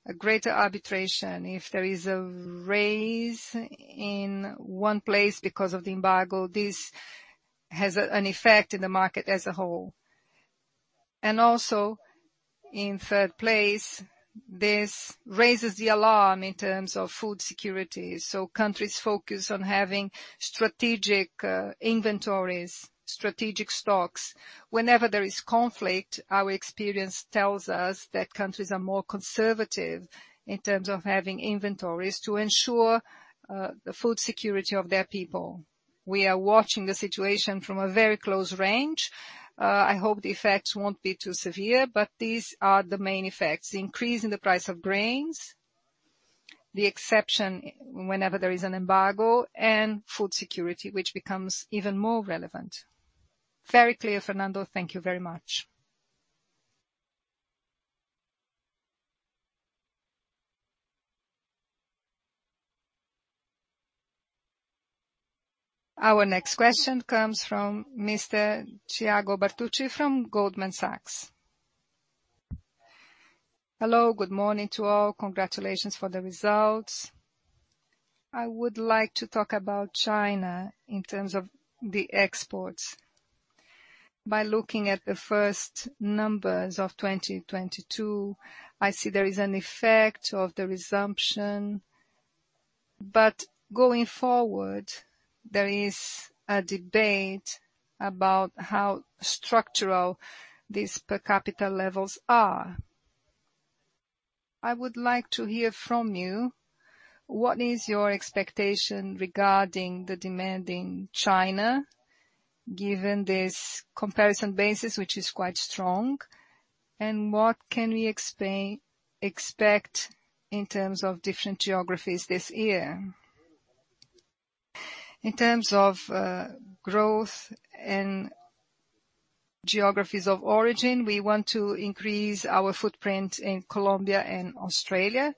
a greater arbitrage. If there is a rise in one place because of the embargo, this has an effect in the market as a whole. Also in third place, this raises the alarm in terms of food security, so countries focus on having strategic inventories, strategic stocks. Whenever there is conflict, our experience tells us that countries are more conservative in terms of having inventories to ensure the food security of their people. We are watching the situation from a very close range. I hope the effects won't be too severe, but these are the main effects, increase in the price of grains, the exception whenever there is an embargo, and food security, which becomes even more relevant. Very clear, Fernando. Thank you very much. Our next question comes from Mr. Thiago Bortuluci from Goldman Sachs. Hello, good morning to all. Congratulations for the results. I would like to talk about China in terms of the exports. By looking at the first numbers of 2022, I see there is an effect of the resumption. Going forward, there is a debate about how structural these per capita levels are. I would like to hear from you what is your expectation regarding the demand in China, given this comparison basis, which is quite strong, and what can we expect in terms of different geographies this year? In terms of growth and geographies of origin, we want to increase our footprint in Colombia and Australia.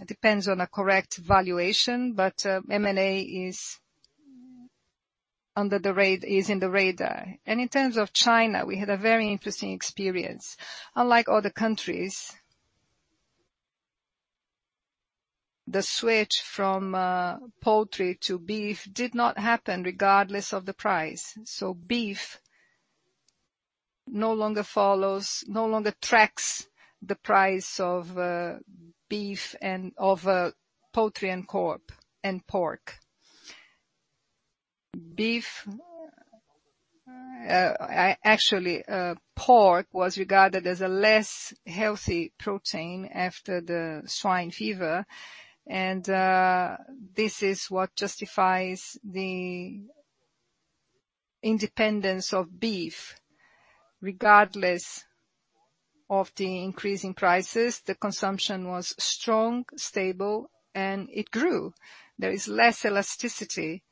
It depends on a correct valuation, but M&A is in the radar. In terms of China, we had a very interesting experience. Unlike other countries, the switch from poultry to beef did not happen regardless of the price. Beef no longer tracks the price of beef, poultry, and pork. Beef, actually, pork was regarded as a less healthy protein after the swine fever, and this is what justifies the independence of beef. Regardless of the increase in prices, the consumption was strong, stable, and it grew. There is less elasticity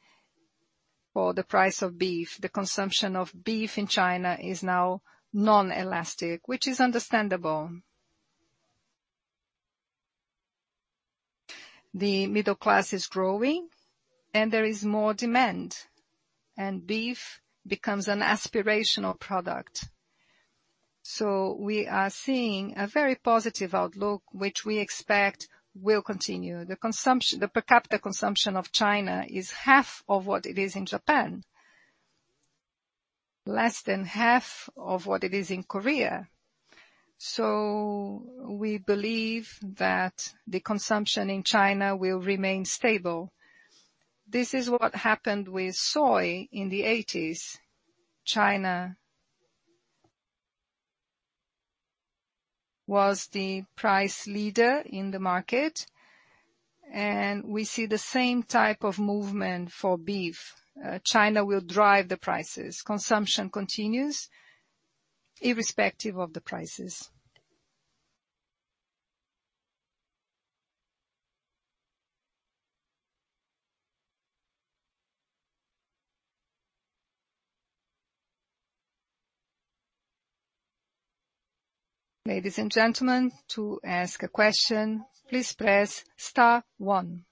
for the price of beef. The consumption of beef in China is now inelastic, which is understandable. The middle class is growing and there is more demand, and beef becomes an aspirational product. We are seeing a very positive outlook, which we expect will continue. The per capita consumption in China is half of what it is in Japan. Less than half of what it is in Korea. We believe that the consumption in China will remain stable. This is what happened with soy in the 1980s. China was the price leader in the market, and we see the same type of movement for beef. China will drive the prices. Consumption continues irrespective of the prices. Ladies and gentlemen, to ask a question please press star one.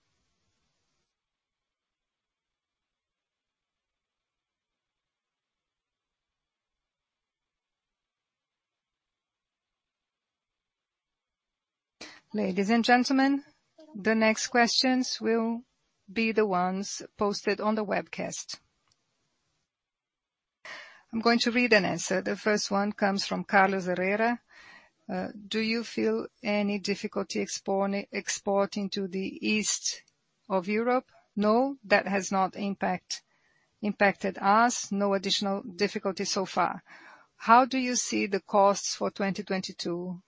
Ladies and gentlemen, the next questions will be the ones posted on the webcast. I'm going to read an answer. The first one comes from Carlos Herrera. Do you feel any difficulty exporting to Eastern Europe? No, that has not impacted us. No additional difficulty so far. How do you see the costs for 2022?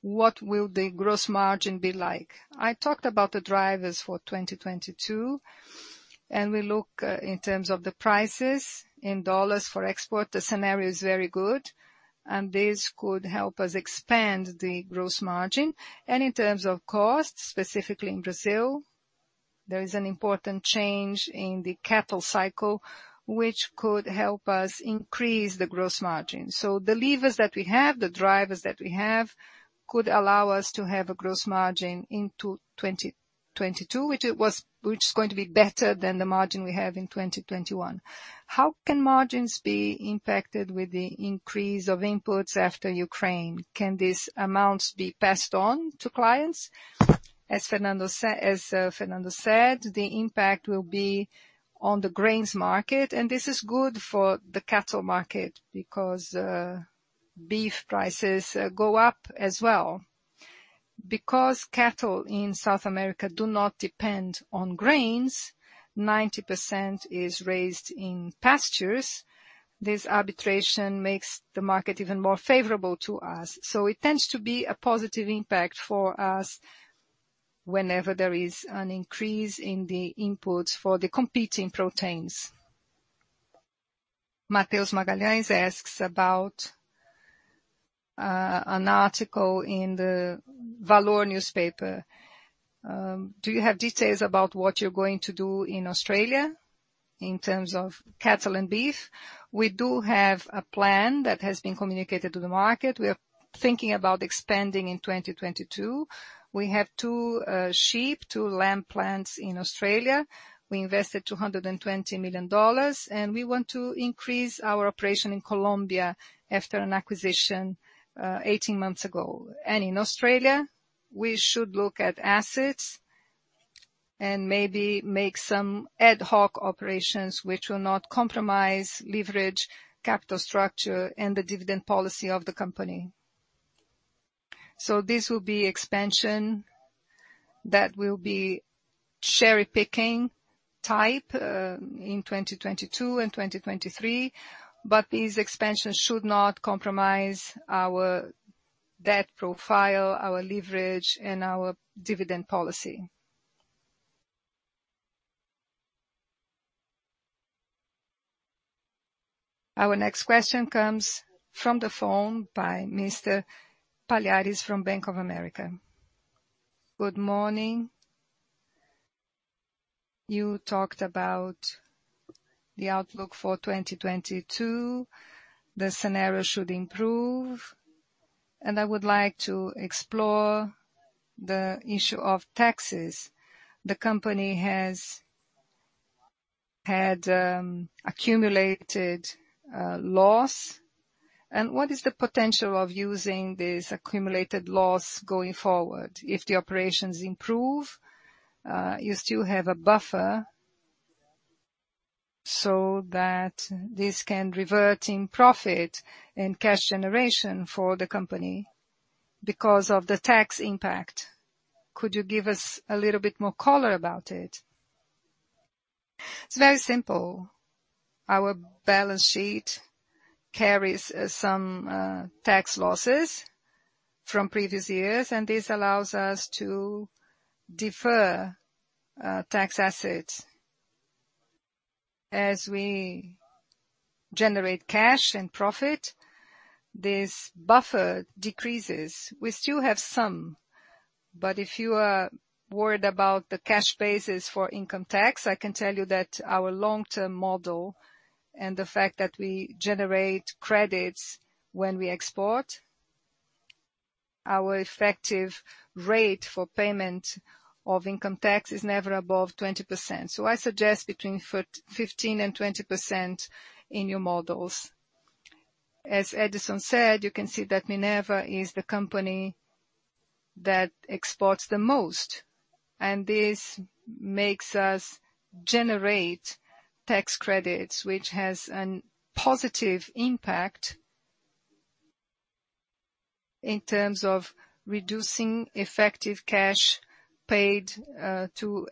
What will the gross margin be like? I talked about the drivers for 2022, and we look in terms of the prices in dollars for export. The scenario is very good and this could help us expand the gross margin. In terms of costs, specifically in Brazil, there is an important change in the cattle cycle, which could help us increase the gross margin. The levers that we have, the drivers that we have, could allow us to have a gross margin into 2022, which is going to be better than the margin we have in 2021. How can margins be impacted with the increase of inputs after Ukraine? Can these amounts be passed on to clients? As Fernando said, the impact will be on the grains market, and this is good for the cattle market because beef prices go up as well. Because cattle in South America do not depend on grains, 90% is raised in pastures, this arbitration makes the market even more favorable to us. It tends to be a positive impact for us whenever there is an increase in the inputs for the competing proteins. Mateus Magalhaes asks about an article in the Valor newspaper. Do you have details about what you're going to do in Australia in terms of cattle and beef? We do have a plan that has been communicated to the market. We are thinking about expanding in 2022. We have two sheep, two lamb plants in Australia. We invested $220 million, and we want to increase our operation in Colombia after an acquisition 18 months ago. In Australia, we should look at assets and maybe make some ad hoc operations which will not compromise leverage, capital structure, and the dividend policy of the company. This will be expansion that will be cherry-picking type in 2022 and 2023, but these expansions should not compromise our debt profile, our leverage, and our dividend policy. Our next question comes from the phone by Mr. Palhares from Bank of America. Good morning. You talked about the outlook for 2022. The scenario should improve. I would like to explore the issue of taxes. The company has had accumulated loss. What is the potential of using this accumulated loss going forward? If the operations improve, you still have a buffer so that this can revert in profit and cash generation for the company because of the tax impact. Could you give us a little bit more color about it? It's very simple. Our balance sheet carries some tax losses from previous years, and this allows us to defer tax assets. As we generate cash and profit, this buffer decreases. We still have some, but if you are worried about the cash basis for income tax, I can tell you that our long-term model and the fact that we generate credits when we export, our effective rate for payment of income tax is never above 20%. I suggest between 15%-20% in your models. As Edison said, you can see that Minerva is the company that exports the most, and this makes us generate tax credits, which has a positive impact in terms of reducing effective cash paid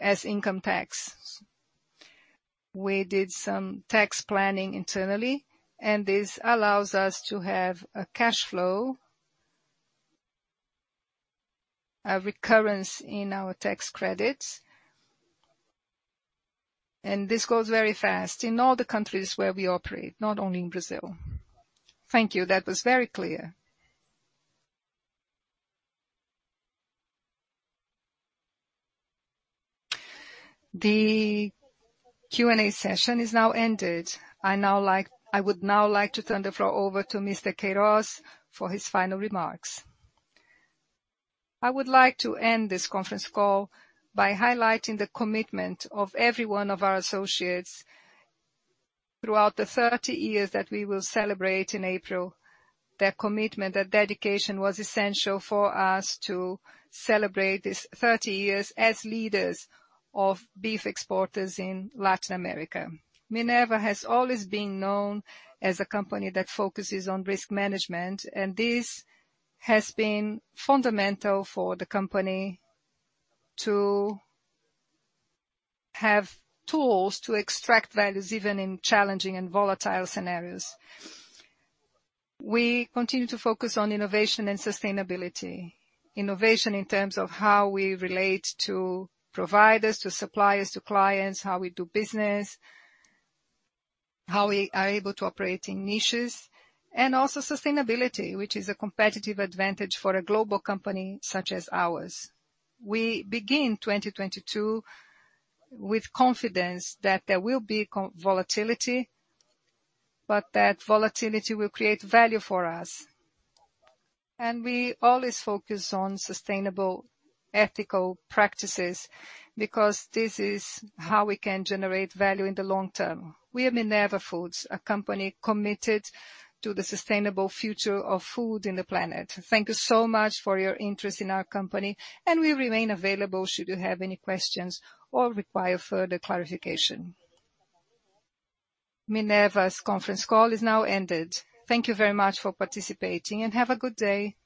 as income tax. We did some tax planning internally, and this allows us to have a cash flow, a recurrence in our tax credits. This goes very fast in all the countries where we operate, not only in Brazil. Thank you. That was very clear. The Q&A session is now ended. I would now like to turn the floor over to Mr. Queiroz for his final remarks. I would like to end this conference call by highlighting the commitment of every one of our associates throughout the 30 years that we will celebrate in April. Their commitment, their dedication was essential for us to celebrate this 30 years as leaders of beef exporters in Latin America. Minerva has always been known as a company that focuses on risk management, and this has been fundamental for the company to have tools to extract values, even in challenging and volatile scenarios. We continue to focus on innovation and sustainability. Innovation in terms of how we relate to providers, to suppliers, to clients, how we do business, how we are able to operate in niches, and also sustainability, which is a competitive advantage for a global company such as ours. We begin 2022 with confidence that there will be volatility, but that volatility will create value for us. We always focus on sustainable ethical practices because this is how we can generate value in the long term. We are Minerva Foods, a company committed to the sustainable future of food on the planet. Thank you so much for your interest in our company and we remain available should you have any questions or require further clarification. Minerva's conference call is now ended. Thank you very much for participating, and have a good day.